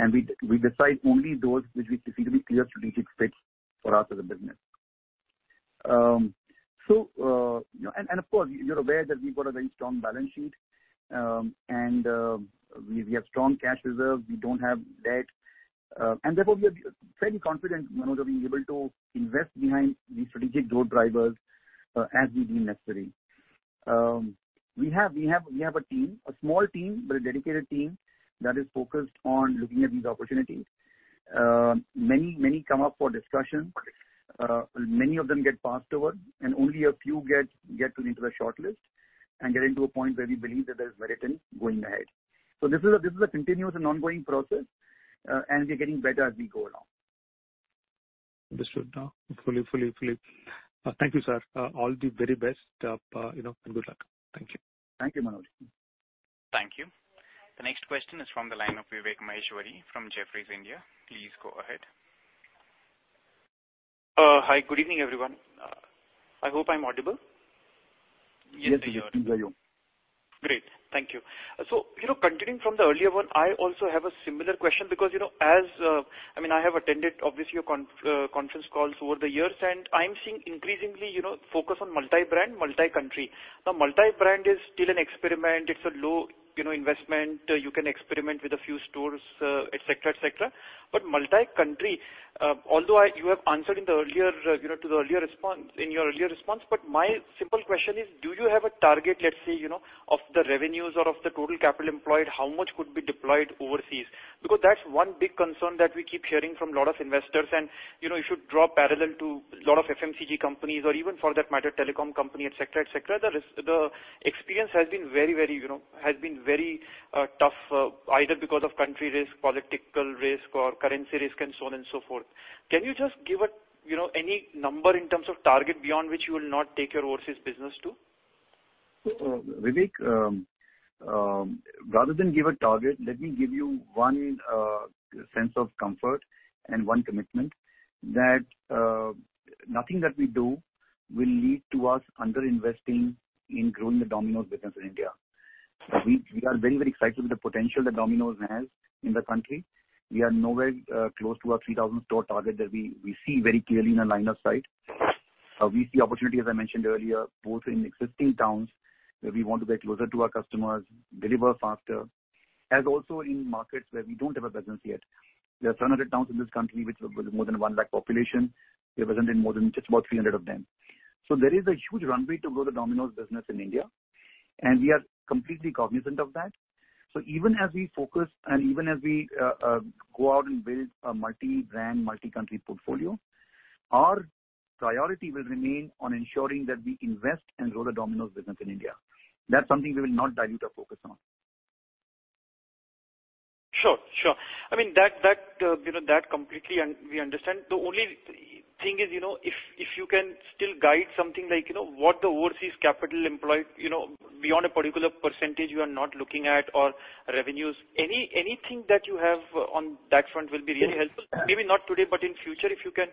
We decide only those which we see to be clear strategic fits for us as a business. Of course, you're aware that we've got a very strong balance sheet, and we have strong cash reserves. We don't have debt. Therefore, we are fairly confident, Manoj, of being able to invest behind these strategic core drivers as we deem necessary. We have a team, a small team, but a dedicated team that is focused on looking at these opportunities. Many come up for discussion. Many of them get passed over, and only a few get into the shortlist and get into a point where we believe that there's merit in going ahead. This is a continuous and ongoing process, and we're getting better as we go along. Understood now. Fully. Thank you, sir. All the very best, and good luck. Thank you. Thank you, Manoj. Thank you. The next question is from the line of Vivek Maheshwari from Jefferies India. Please go ahead. Hi. Good evening, everyone. I hope I'm audible. Yes, we hear you. Yes, we hear you. Great. Thank you. Continuing from the earlier one, I also have a similar question because as I have attended, obviously, your conference calls over the years, and I'm seeing increasingly, focus on multi-brand, multi-country. Multi-brand is still an experiment. It's a low investment. You can experiment with a few stores, et cetera. Multi-country, although you have answered in your earlier response, but my simple question is, do you have a target, let's say, of the revenues or of the total capital employed, how much could be deployed overseas? That's one big concern that we keep hearing from a lot of investors, and if you draw parallel to a lot of FMCG companies or even for that matter, telecom company, et cetera, the experience has been very tough, either because of country risk, political risk, or currency risk and so on and so forth. Can you just give any number in terms of target beyond which you will not take your overseas business to? Vivek, rather than give a target, let me give you one sense of comfort and one commitment that nothing that we do will lead to us under-investing in growing the Domino's business in India. We are very, very excited with the potential that Domino's has in the country. We are nowhere close to our 3,000 store target that we see very clearly in our line of sight. We see opportunity, as I mentioned earlier, both in existing towns where we want to get closer to our customers, deliver faster, as also in markets where we don't have a presence yet. There are 700 towns in this country with more than 1 lakh population. We're present in more than just about 300 of them. There is a huge runway to grow the Domino's business in India, and we are completely cognizant of that. Even as we focus and even as we go out and build a multi-brand, multi-country portfolio, our priority will remain on ensuring that we invest and grow the Domino's business in India. That is something we will not dilute our focus on. Sure. That completely we understand. The only thing is, if you can still guide something like, what the overseas capital employed, beyond a particular percentage you are not looking at, or revenues. Anything that you have on that front will be really helpful. Maybe not today, but in future, if you can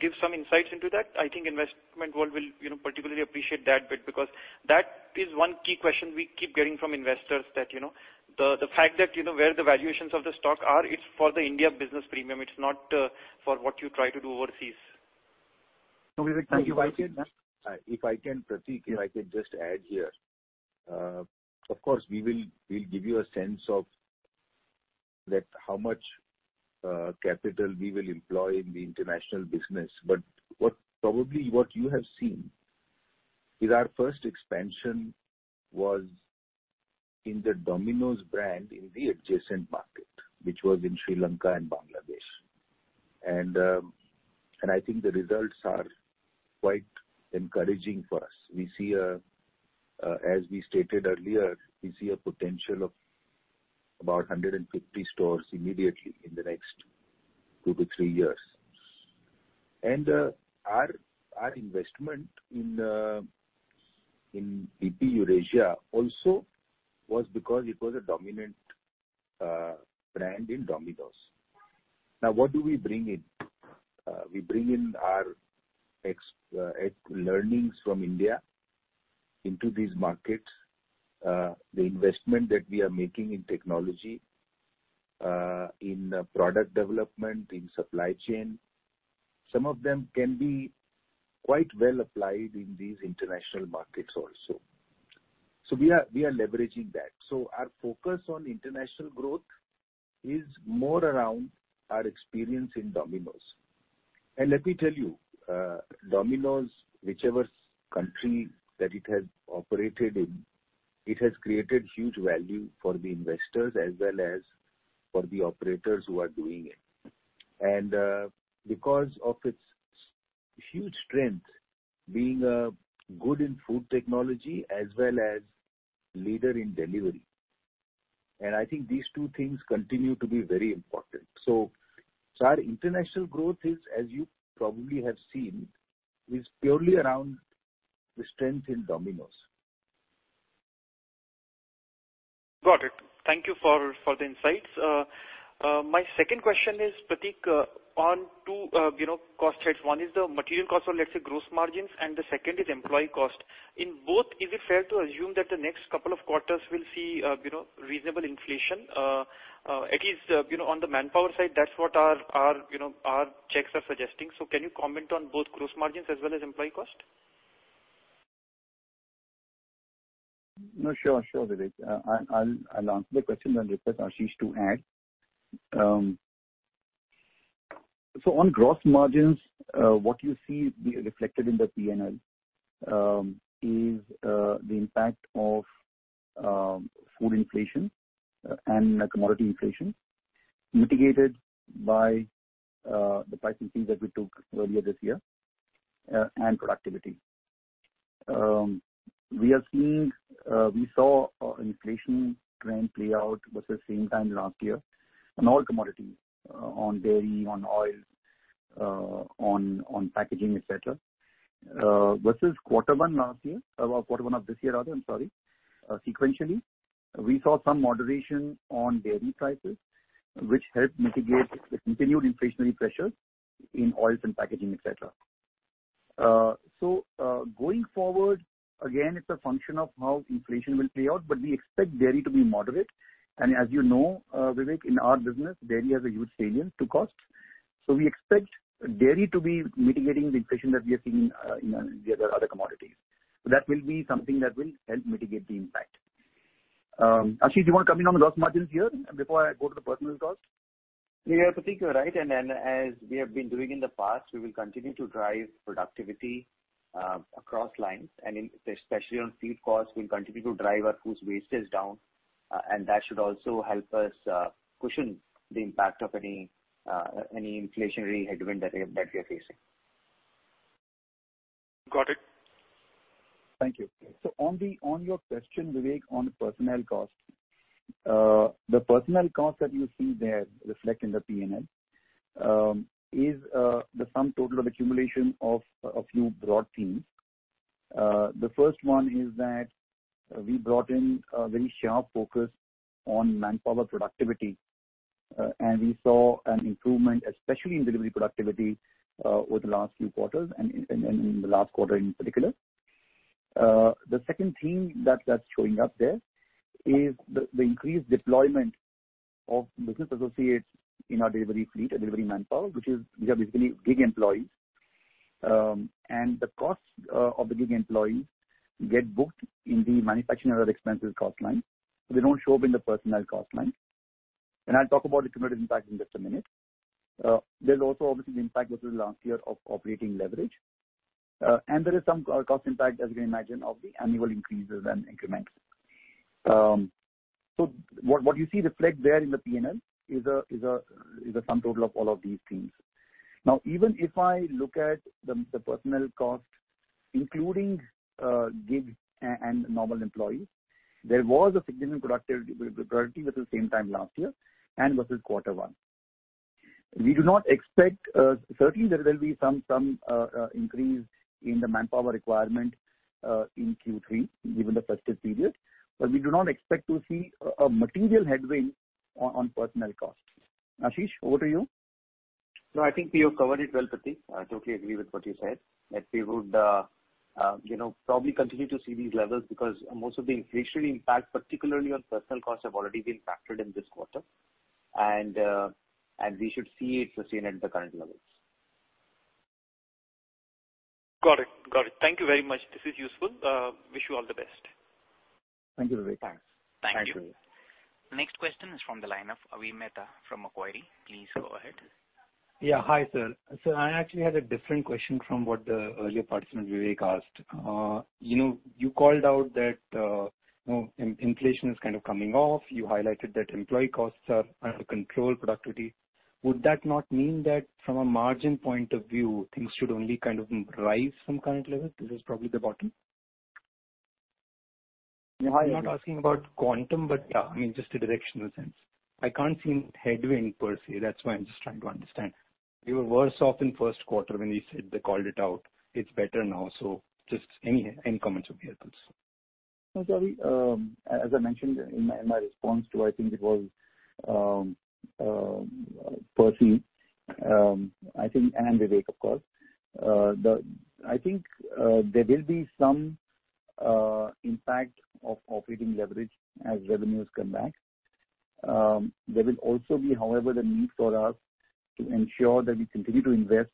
give some insights into that, I think investment world will particularly appreciate that bit because that is one key question we keep getting from investors that the fact that where the valuations of the stock are, it's for the India business premium. It's not for what you try to do overseas. No, Vivek, if I can Pratik, if I could just add here. Of course, we'll give you a sense of that how much capital we will employ in the international business. Probably what you have seen is our first expansion was in the Domino's brand in the adjacent market, which was in Sri Lanka and Bangladesh. I think the results are quite encouraging for us. As we stated earlier, we see a potential of about 150 stores immediately in the next two to three years. Our investment in DP Eurasia also was because it was a dominant brand in Domino's. Now, what do we bring in? We bring in our learnings from India into these markets. The investment that we are making in technology In product development, in supply chain. Some of them can be quite well applied in these international markets also. We are leveraging that. Our focus on international growth is more around our experience in Domino's. Let me tell you, Domino's, whichever country that it has operated in, it has created huge value for the investors as well as for the operators who are doing it. Because of its huge strength, being good in food technology as well as leader in delivery, and I think these two things continue to be very important. Our international growth is, as you probably have seen, is purely around the strength in Domino's. Got it. Thank you for the insights. My second question is, Pratik, on two cost sides. One is the material cost on, let's say, gross margins, and the second is employee cost. In both, is it fair to assume that the next couple of quarters we'll see reasonable inflation? At least on the manpower side, that's what our checks are suggesting. Can you comment on both gross margins as well as employee cost? No, sure, Vivek. I'll answer the question then request Ashish to add. On gross margins, what you see reflected in the P&L is the impact of food inflation and commodity inflation mitigated by the pricing things that we took earlier this year, and productivity. We saw an inflation trend play out versus same time last year on all commodity, on dairy, on oil, on packaging, et cetera. Versus quarter one of this year, sequentially, we saw some moderation on dairy prices, which helped mitigate the continued inflationary pressures in oils and packaging, et cetera. Going forward, again, it's a function of how inflation will play out, but we expect dairy to be moderate. As you know, Vivek, in our business, dairy has a huge salient to cost. We expect dairy to be mitigating the inflation that we are seeing in the other commodities. That will be something that will help mitigate the impact. Ashish, do you want to come in on the gross margins here before I go to the personnel cost? Yeah, Pratik, you're right. As we have been doing in the past, we will continue to drive productivity across lines and especially on fleet costs, we will continue to drive our food waste down. That should also help us cushion the impact of any inflationary headwind that we are facing. Got it. Thank you. On your question, Vivek, on the personnel cost. The personnel cost that you see there reflect in the P&L is the sum total of accumulation of a few broad themes. The first one is that we brought in a very sharp focus on manpower productivity, and we saw an improvement, especially in delivery productivity, over the last few quarters and in the last quarter in particular. The second theme that's showing up there is the increased deployment of business associates in our delivery fleet, our delivery manpower, which are basically gig employees. The cost of the gig employees get booked in the manufacturing other expenses cost line. They don't show up in the personnel cost line. I'll talk about the cumulative impact in just a minute. There's also obviously the impact versus last year of operating leverage. There is some cost impact, as you can imagine, of the annual increases and increments. What you see reflect there in the P&L is a sum total of all of these themes. Now, even if I look at the personnel cost, including gigs and normal employees, there was a significant productivity versus same time last year and versus quarter one. Certainly, there will be some increase in the manpower requirement in Q3, given the festive period. We do not expect to see a material headwind on personnel costs. Ashish, over to you. No, I think we have covered it well, Pratik. I totally agree with what you said, that we would probably continue to see these levels because most of the inflationary impact, particularly on personnel costs, have already been factored in this quarter. We should see it sustained at the current levels. Got it. Thank you very much. This is useful. Wish you all the best. Thank you, Vivek. Thanks. Thank you. Thank you. Next question is from the line of Avi Mehta from Macquarie. Please go ahead. Yeah. Hi, sir. Sir, I actually had a different question from what the earlier participant, Vivek, asked. You called out that inflation is kind of coming off. You highlighted that employee costs are under control, productivity. Would that not mean that from a margin point of view, things should only kind of rise from current level? This is probably the bottom. I'm not asking about quantum. Yeah, I mean, just a directional sense. I can't see any headwind per se. That's why I'm just trying to understand. You were worse off in first quarter when you said they called it out. It's better now. Just any comments would be helpful, sir. No, Avi. As I mentioned in my response to, I think it was Percy, I think, and Vivek, of course. I think there will be some impact of operating leverage as revenues come back. There will also be, however, the need for us to ensure that we continue to invest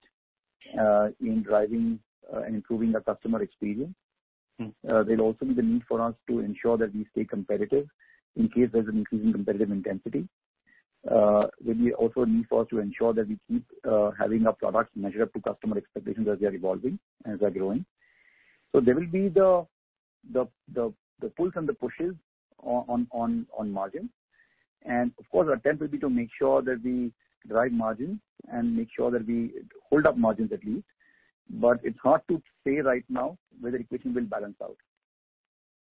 in driving and improving the customer experience. There'll also be the need for us to ensure that we stay competitive in case there's an increase in competitive intensity. There'll be also a need for us to ensure that we keep having our products measure up to customer expectations as they are evolving, as they're growing. There will be the pulls and the pushes on margin. Of course, our attempt will be to make sure that we drive margins and make sure that we hold up margins at least. It's hard to say right now whether equation will balance out.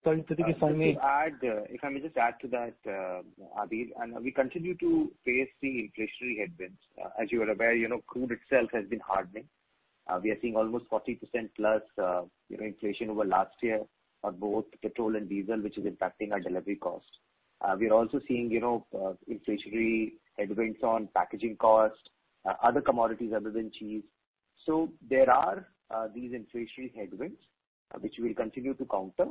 Sorry, Pratik, just finally. If I may just add to that, Avi, We continue to face the inflationary headwinds. As you are aware, crude itself has been hardening. We are seeing almost 40%+ inflation over last year on both petrol and diesel, which is impacting our delivery cost. We are also seeing inflationary headwinds on packaging cost, other commodities other than cheese. There are these inflationary headwinds which we'll continue to counter.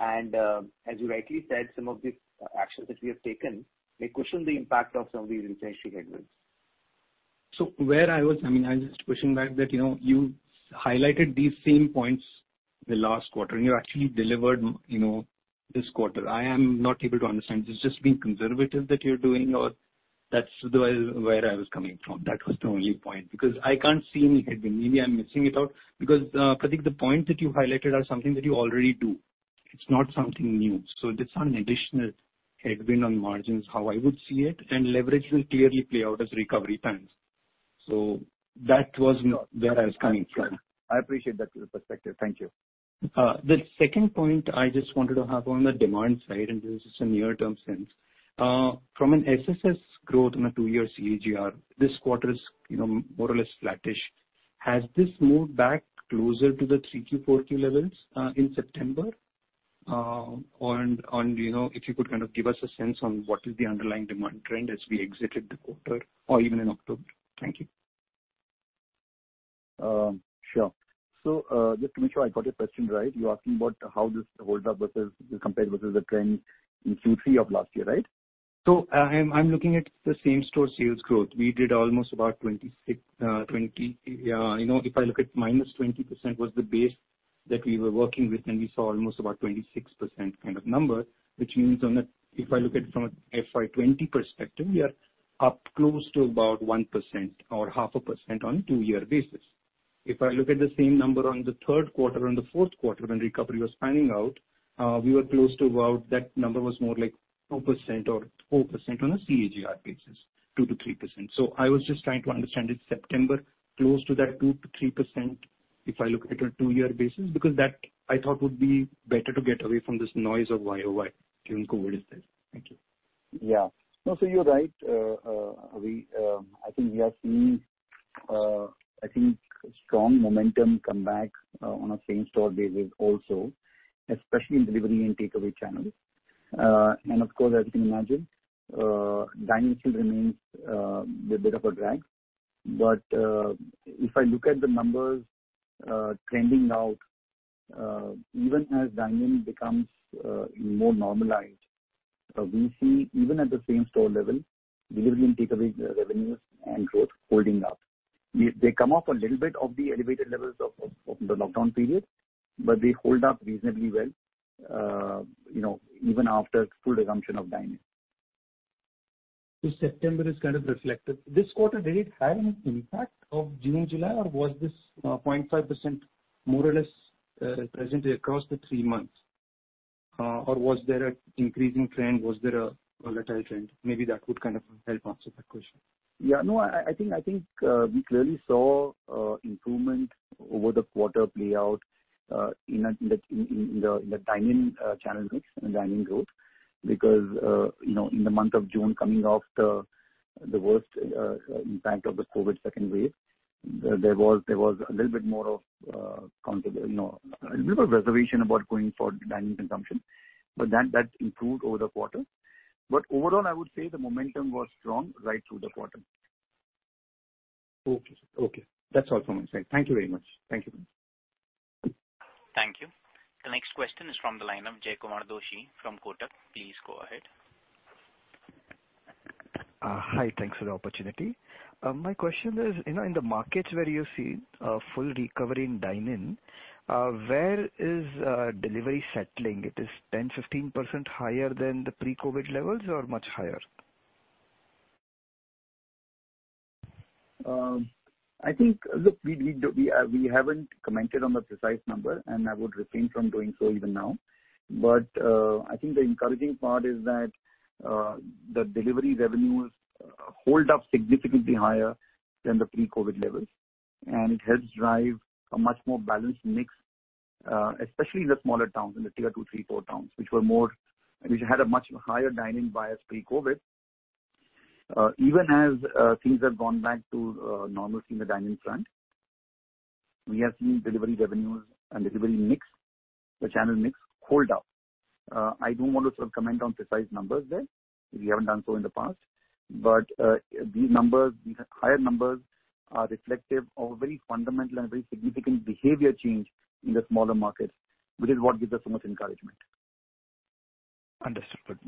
As you rightly said, some of the actions that we have taken may cushion the impact of some of these inflationary headwinds. I was just pushing back that you highlighted these same points the last quarter, and you actually delivered this quarter. I am not able to understand. Is this just being conservative that you're doing? That's where I was coming from. That was the only point. I can't see any headwind. Maybe I'm missing it out because, Pratik, the points that you highlighted are something that you already do. It's not something new. There's some additional headwind on margins, how I would see it, and leverage will clearly play out as recovery trends. That was where I was coming from. I appreciate that perspective. Thank you. The second point I just wanted to have on the demand side, and this is a near-term sense. From an SSS growth on a two-year CAGR, this quarter is more or less flattish. Has this moved back closer to the 3Q, 4Q levels, in September? If you could kind of give us a sense on what is the underlying demand trend as we exited the quarter or even in October. Thank you. Sure. Just to make sure I got your question right. You're asking about how this holds up versus, compared versus the trend in Q3 of last year, right? I'm looking at the same-store sales growth. We did almost about if I look at -20% was the base that we were working with. We saw almost about 26% kind of number, which means If I look at it from a FY 2020 perspective, we are up close to about 1% or half a percent on a two-year basis. If I look at the same number on the third quarter and the fourth quarter when recovery was panning out, that number was more like 2% or 4% on a CAGR basis, 2%-3%. I was just trying to understand it's September, close to that 2%-3%, if I look at a two-year basis, because that I thought would be better to get away from this noise of YoY given COVID-19 is there. Thank you. Yeah. No, you're right. I think we are seeing strong momentum come back on a same-store basis also, especially in delivery and takeaway channels. Of course, as you can imagine, dine-ins still remains a bit of a drag. If I look at the numbers trending out, even as dine-in becomes more normalized, we see even at the same store level, delivery and takeaway revenues and growth holding up. They come off a little bit of the elevated levels of the lockdown period, but they hold up reasonably well even after full resumption of dine-in. September is kind of reflected. This quarter, did it have an impact of June, July, or was this 0.5% more or less represented across the three months? Was there an increasing trend? Was there a volatile trend? Maybe that would kind of help answer that question. Yeah. No, I think we clearly saw improvement over the quarter play out in the dine-in channel mix and the dine-in growth because in the month of June coming off the worst impact of the COVID second wave, there was a little bit more of reservation about going for dine-in consumption. That improved over the quarter. Overall, I would say the momentum was strong right through the quarter. Okay. That's all from my side. Thank you very much. Thank you. Thank you. The next question is from the line of Jaykumar Doshi from Kotak. Please go ahead. Hi. Thanks for the opportunity. My question is, in the markets where you're seeing a full recovery in dine-in, where is delivery settling? It is 10%, 15% higher than the pre-COVID levels or much higher? We haven't commented on the precise number. I would refrain from doing so even now. I think the encouraging part is that the delivery revenues hold up significantly higher than the pre-COVID levels, and it helps drive a much more balanced mix, especially in the smaller towns, in the Tier 2, 3, 4 towns, which had a much higher dine-in bias pre-COVID. Even as things have gone back to normalcy in the dine-in front, we have seen delivery revenues and delivery mix, the channel mix, hold up. I don't want to sort of comment on precise numbers there, we haven't done so in the past. These higher numbers are reflective of a very fundamental and very significant behavior change in the smaller markets, which is what gives us so much encouragement. Understood.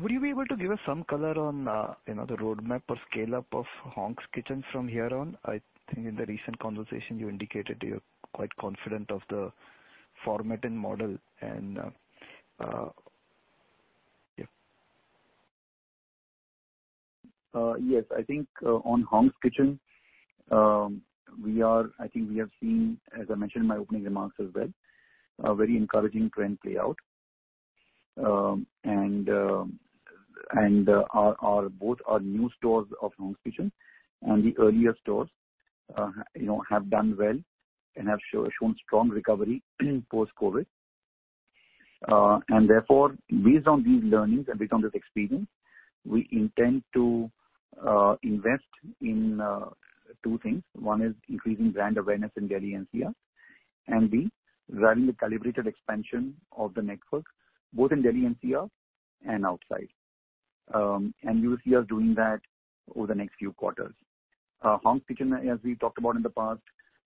Would you be able to give us some color on the roadmap or scale-up of Hong's Kitchen from here on? I think in the recent conversation you indicated you're quite confident of the format and model and yeah. I think on Hong's Kitchen, I think we have seen, as I mentioned in my opening remarks as well, a very encouraging trend play out. Both our new stores of Hong's Kitchen and the earlier stores have done well and have shown strong recovery post-COVID. Therefore, based on these learnings and based on this experience, we intend to invest in two things. One is increasing brand awareness in Delhi NCR, and B, running a calibrated expansion of the network both in Delhi NCR and outside. You will see us doing that over the next few quarters. Hong's Kitchen, as we talked about in the past,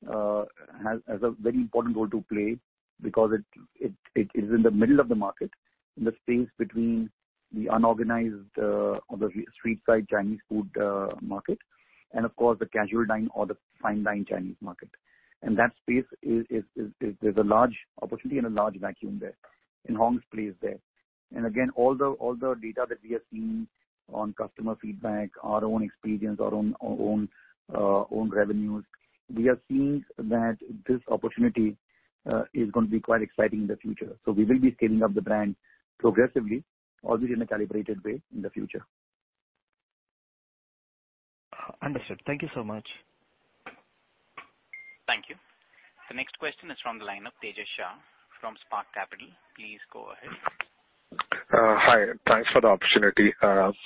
has a very important role to play because it is in the middle of the market, in the space between the unorganized or the street side Chinese food market and of course, the casual dine or the fine dine Chinese market. That space is a large opportunity and a large vacuum there, and Hong's plays there. Again, all the data that we are seeing on customer feedback, our own experience, our own revenues, we are seeing that this opportunity is going to be quite exciting in the future. We will be scaling up the brand progressively, albeit in a calibrated way, in the future. Understood. Thank you so much. Thank you. The next question is from the line of Tejas Shah from Spark Capital. Please go ahead. Hi, thanks for the opportunity.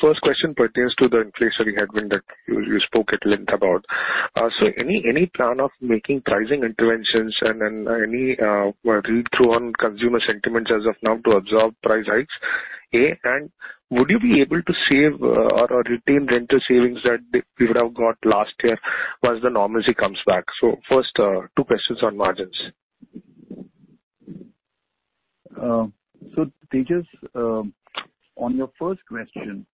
First question pertains to the inflationary headwind that you spoke at length about. Any plan of making pricing interventions and any read-through on consumer sentiments as of now to absorb price hikes? Would you be able to save or retain rental savings that you would have got last year once the normalcy comes back? First, two questions on margins. Tejas, on your first question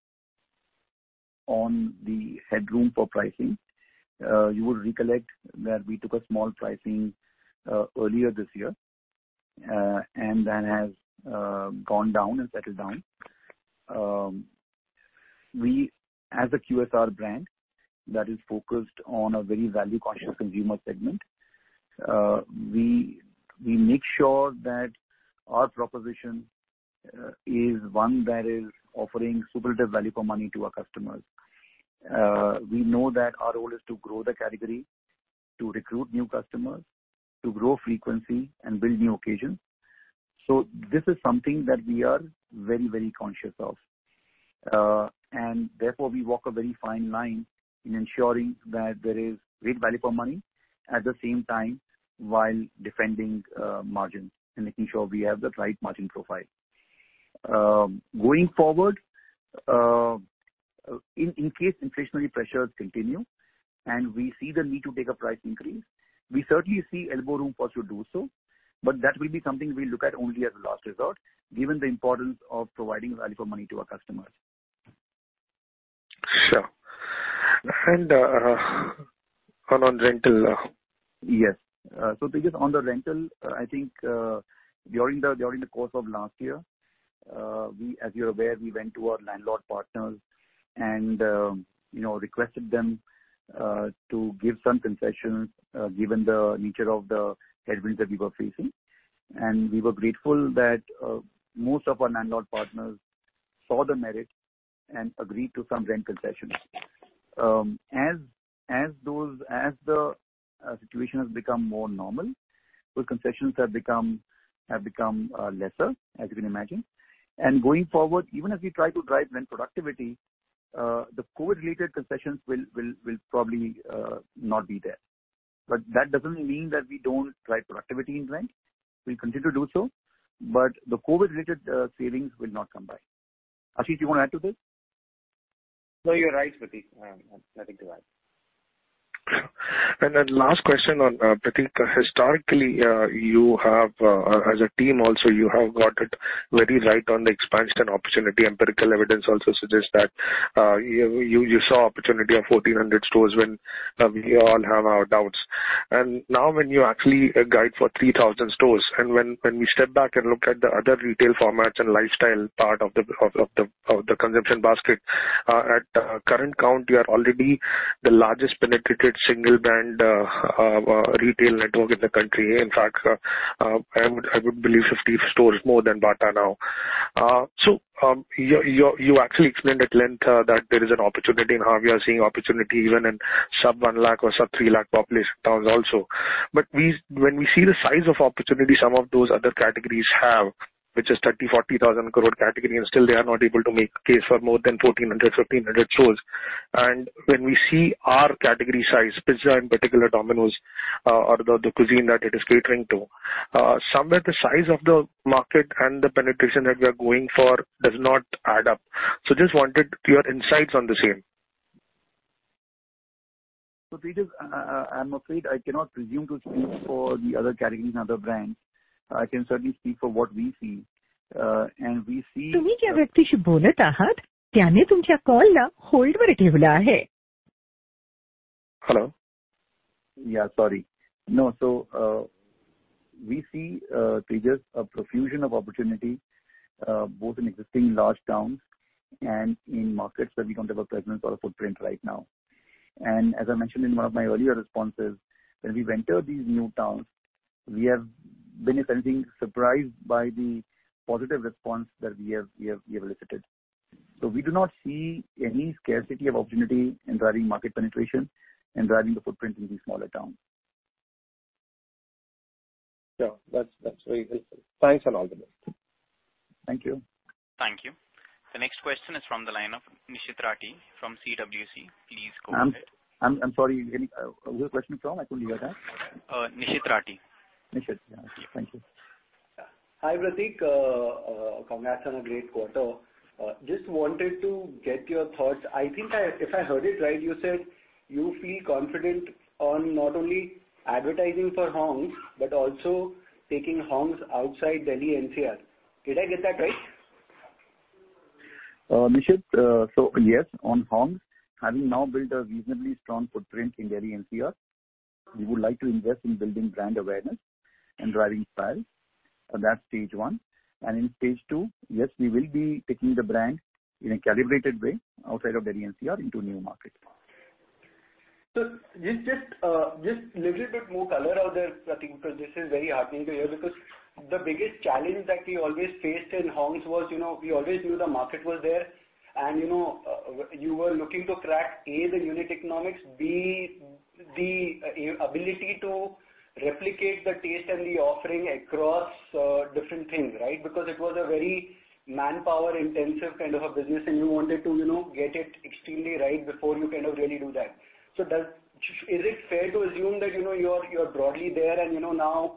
on the headroom for pricing, you will recollect that we took a small pricing earlier this year, and that has gone down and settled down. We, as a QSR brand that is focused on a very value-conscious consumer segment, we make sure that our proposition is one that is offering superlative value for money to our customers. We know that our role is to grow the category, to recruit new customers, to grow frequency and build new occasions. This is something that we are very conscious of. Therefore, we walk a very fine line in ensuring that there is great value for money, at the same time, while defending margins and making sure we have the right margin profile. Going forward, in case inflationary pressures continue and we see the need to take a price increase, we certainly see elbow room for us to do so, but that will be something we look at only as a last resort, given the importance of providing value for money to our customers. Sure. On rental. Yes. Tejas, on the rental, I think during the course of last year, as you're aware, we went to our landlord partners and requested them to give some concessions given the nature of the headwinds that we were facing. We were grateful that most of our landlord partners saw the merit and agreed to some rent concessions. As the situation has become more normal, those concessions have become lesser, as you can imagine. Going forward, even as we try to drive rent productivity, the COVID-related concessions will probably not be there. That doesn't mean that we don't drive productivity in rent. We'll continue to do so, but the COVID-related savings will not come by. Ashish, you want to add to this? No, you're right, Pratik. Nothing to add. Then last question on, Pratik, historically, as a team also, you have got it very right on the expansion opportunity. Empirical evidence also suggests that you saw opportunity of 1,400 stores when we all have our doubts. Now when you actually guide for 3,000 stores and when we step back and look at the other retail formats and lifestyle part of the consumption basket, at current count, you are already the largest penetrated single-brand retail network in the country. In fact, I would believe 50 stores more than Bata now. You actually explained at length that there is an opportunity and how we are seeing opportunity even in sub-100,000 or sub-300,000 population towns also. When we see the size of opportunity some of those other categories have, which is 30,000 crore-40,000 crore category and still they are not able to make a case for more than 1,400-1,500 stores. When we see our category size, pizza in particular, Domino's, or the cuisine that it is catering to, somewhere the size of the market and the penetration that we are going for does not add up. Just wanted your insights on the same. Tejas, I'm afraid I cannot presume to speak for the other categories and other brands. I can certainly speak for what we see. Hello. Yeah, sorry. We see, Tejas, a profusion of opportunity, both in existing large towns and in markets where we don't have a presence or a footprint right now. As I mentioned in one of my earlier responses, when we venture these new towns, we have been, if anything, surprised by the positive response that we have elicited. We do not see any scarcity of opportunity in driving market penetration and driving the footprint in these smaller towns. Yeah. That's very helpful. Thanks, and all the best. Thank you. Thank you. The next question is from the line of Nishit Rathi from CWC. Please go ahead. I'm sorry, where is the question from? I couldn't hear that. Nishit Rathi. Nishit. Thank you. Hi, Pratik. Congrats on a great quarter. Just wanted to get your thoughts. I think if I heard it right, you said you feel confident on not only advertising for Hong's, but also taking Hong's outside Delhi NCR. Did I get that right? Nishit, yes, on Hong's. Having now built a reasonably strong footprint in Delhi NCR, we would like to invest in building brand awareness and driving trials. That's Stage 1. In Stage 2, yes, we will be taking the brand in a calibrated way outside of Delhi NCR into new markets. Just little bit more color out there, Pratik, because this is very heartening to hear because the biggest challenge that we always faced in Hong's was we always knew the market was there, and you were looking to crack, A, the unit economics, B, the ability to replicate the taste and the offering across different things, right? Because it was a very manpower-intensive kind of a business and you wanted to get it extremely right before you really do that. Is it fair to assume that you're broadly there, and now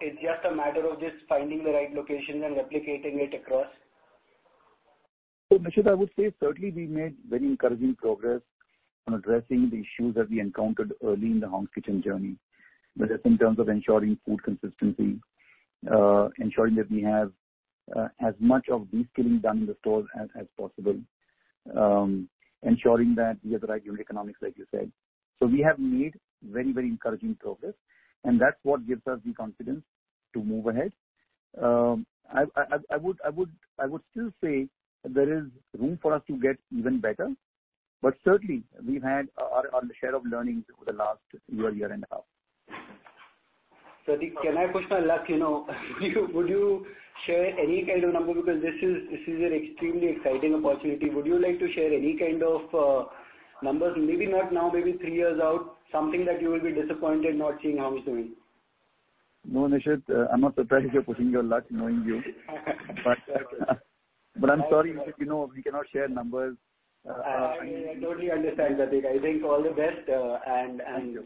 it's just a matter of just finding the right location and replicating it across? Nishit, I would say certainly we made very encouraging progress on addressing the issues that we encountered early in the Hong's Kitchen journey, whether it's in terms of ensuring food consistency, ensuring that we have as much of the scaling done in the stores as possible, ensuring that we have the right unit economics, like you said. We have made very encouraging progress, and that's what gives us the confidence to move ahead. I would still say there is room for us to get even better, certainly, we've had our share of learnings over the last year and a half. Pratik, can I push my luck? Would you share any kind of number, because this is an extremely exciting opportunity? Would you like to share any kind of numbers? Maybe not now, maybe three years out, something that you will be disappointed not seeing how it's doing. No, Nishit, I'm not surprised you're pushing your luck, knowing you. I'm sorry, Nishit, we cannot share numbers. I totally understand, Pratik. I wish you all the best. Thank you.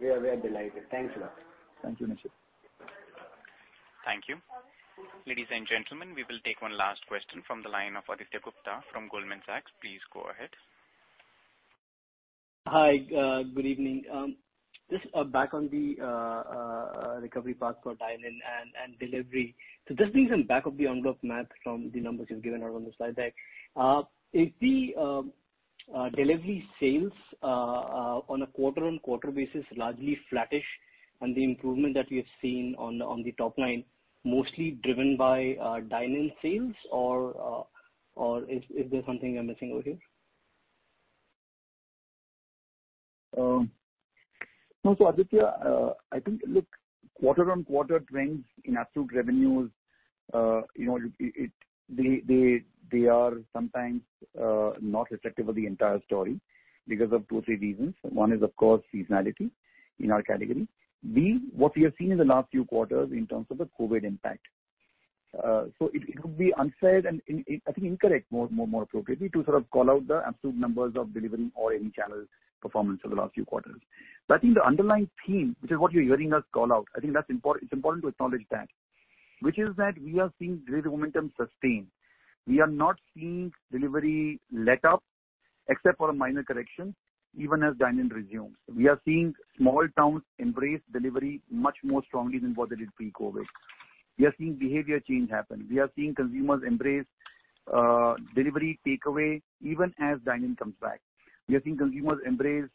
We are delighted. Thanks a lot. Thank you, Nishit. Thank you. Ladies and gentlemen, we will take one last question from the line of Aditya Gupta from Goldman Sachs. Please go ahead. Hi. Good evening. Just back on the recovery path for dine-in and delivery. Just doing some back-of-the-envelope math from the numbers you've given out on the slide deck. Is the delivery sales on a quarter-on-quarter basis largely flattish, and the improvement that we have seen on the top line mostly driven by dine-in sales, or is there something I'm missing over here? No. Aditya, I think, look, quarter-on-quarter trends in absolute revenues, they are sometimes not reflective of the entire story because of two or three reasons. One is, of course, seasonality in our category. B, what we have seen in the last few quarters in terms of the COVID-19 impact. It would be unsaid and I think incorrect, more appropriately, to sort of call out the absolute numbers of delivery or any channel performance over the last few quarters. I think the underlying theme, which is what you're hearing us call out, I think it's important to acknowledge that, which is that we are seeing greater momentum sustained. We are not seeing delivery letup except for a minor correction even as dine-in resumes. We are seeing small towns embrace delivery much more strongly than what they did pre-COVID-19. We are seeing behavior change happen. We are seeing consumers embrace delivery takeaway even as dine-in comes back. We are seeing consumers embrace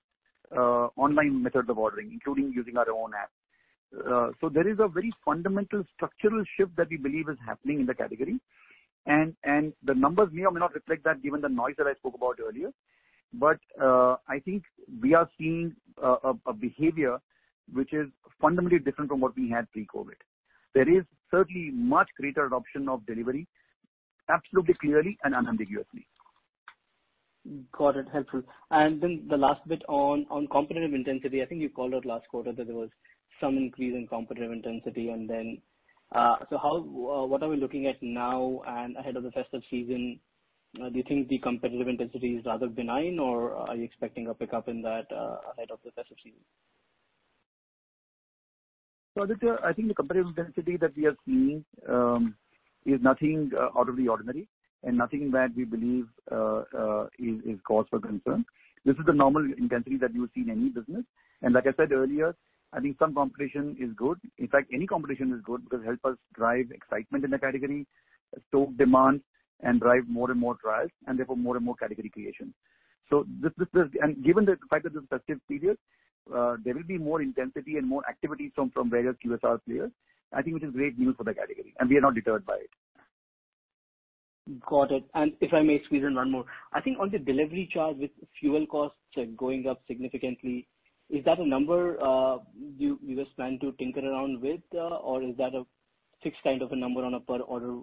online methods of ordering, including using our own app. There is a very fundamental structural shift that we believe is happening in the category, and the numbers may or may not reflect that given the noise that I spoke about earlier. I think we are seeing a behavior which is fundamentally different from what we had pre-COVID. There is certainly much greater adoption of delivery, absolutely, clearly, and unambiguously. Got it. Helpful. The last bit on competitive intensity. I think you called out last quarter that there was some increase in competitive intensity. What are we looking at now and ahead of the festive season? Do you think the competitive intensity is rather benign, or are you expecting a pickup in that ahead of the festive season? Aditya, I think the competitive intensity that we are seeing is nothing out of the ordinary and nothing that we believe is cause for concern. This is the normal intensity that you see in any business. Like I said earlier, I think some competition is good. In fact, any competition is good because it helps us drive excitement in the category, stoke demand, and drive more and more trials, and therefore more and more category creation. Given the fact that this is the festive period, there will be more intensity and more activity from various QSR players. I think it is great news for the category, and we are not deterred by it. Got it. If I may squeeze in 1 more. I think on the delivery charge with fuel costs going up significantly, is that a number you guys plan to tinker around with? Is that a fixed kind of a number on a per order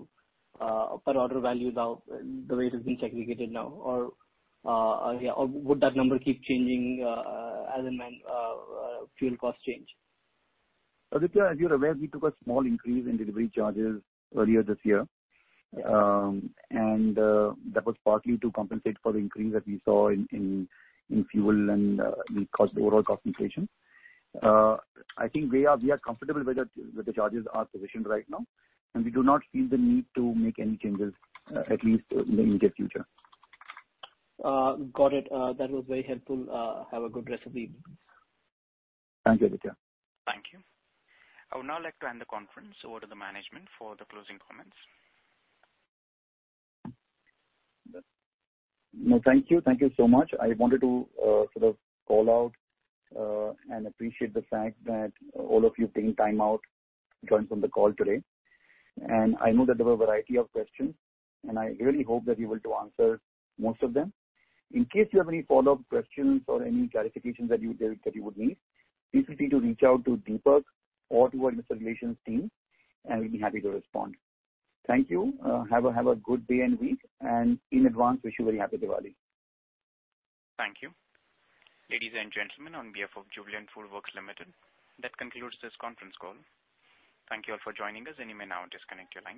value now the way it has been segregated now? Would that number keep changing as and when fuel costs change? Aditya, as you're aware, we took a small increase in delivery charges earlier this year, and that was partly to compensate for the increase that we saw in fuel and overall cost inflation. I think we are comfortable where the charges are positioned right now, and we do not feel the need to make any changes, at least in the immediate future. Got it. That was very helpful. Have a good rest of the evening. Thank you, Aditya. Thank you. I would now like to hand the conference over to the management for the closing comments. No, thank you. Thank you so much. I wanted to sort of call out and appreciate the fact that all of you took time out to join on the call today. I know that there were a variety of questions, and I really hope that we were able to answer most of them. In case you have any follow-up questions or any clarifications that you would need, please feel free to reach out to Deepak or to our investor relations team, and we'll be happy to respond. Thank you. Have a good day and week, in advance, wish you a very happy Diwali. Thank you. Ladies and gentlemen, on behalf of Jubilant FoodWorks Limited, that concludes this conference call. Thank you all for joining us, and you may now disconnect your lines.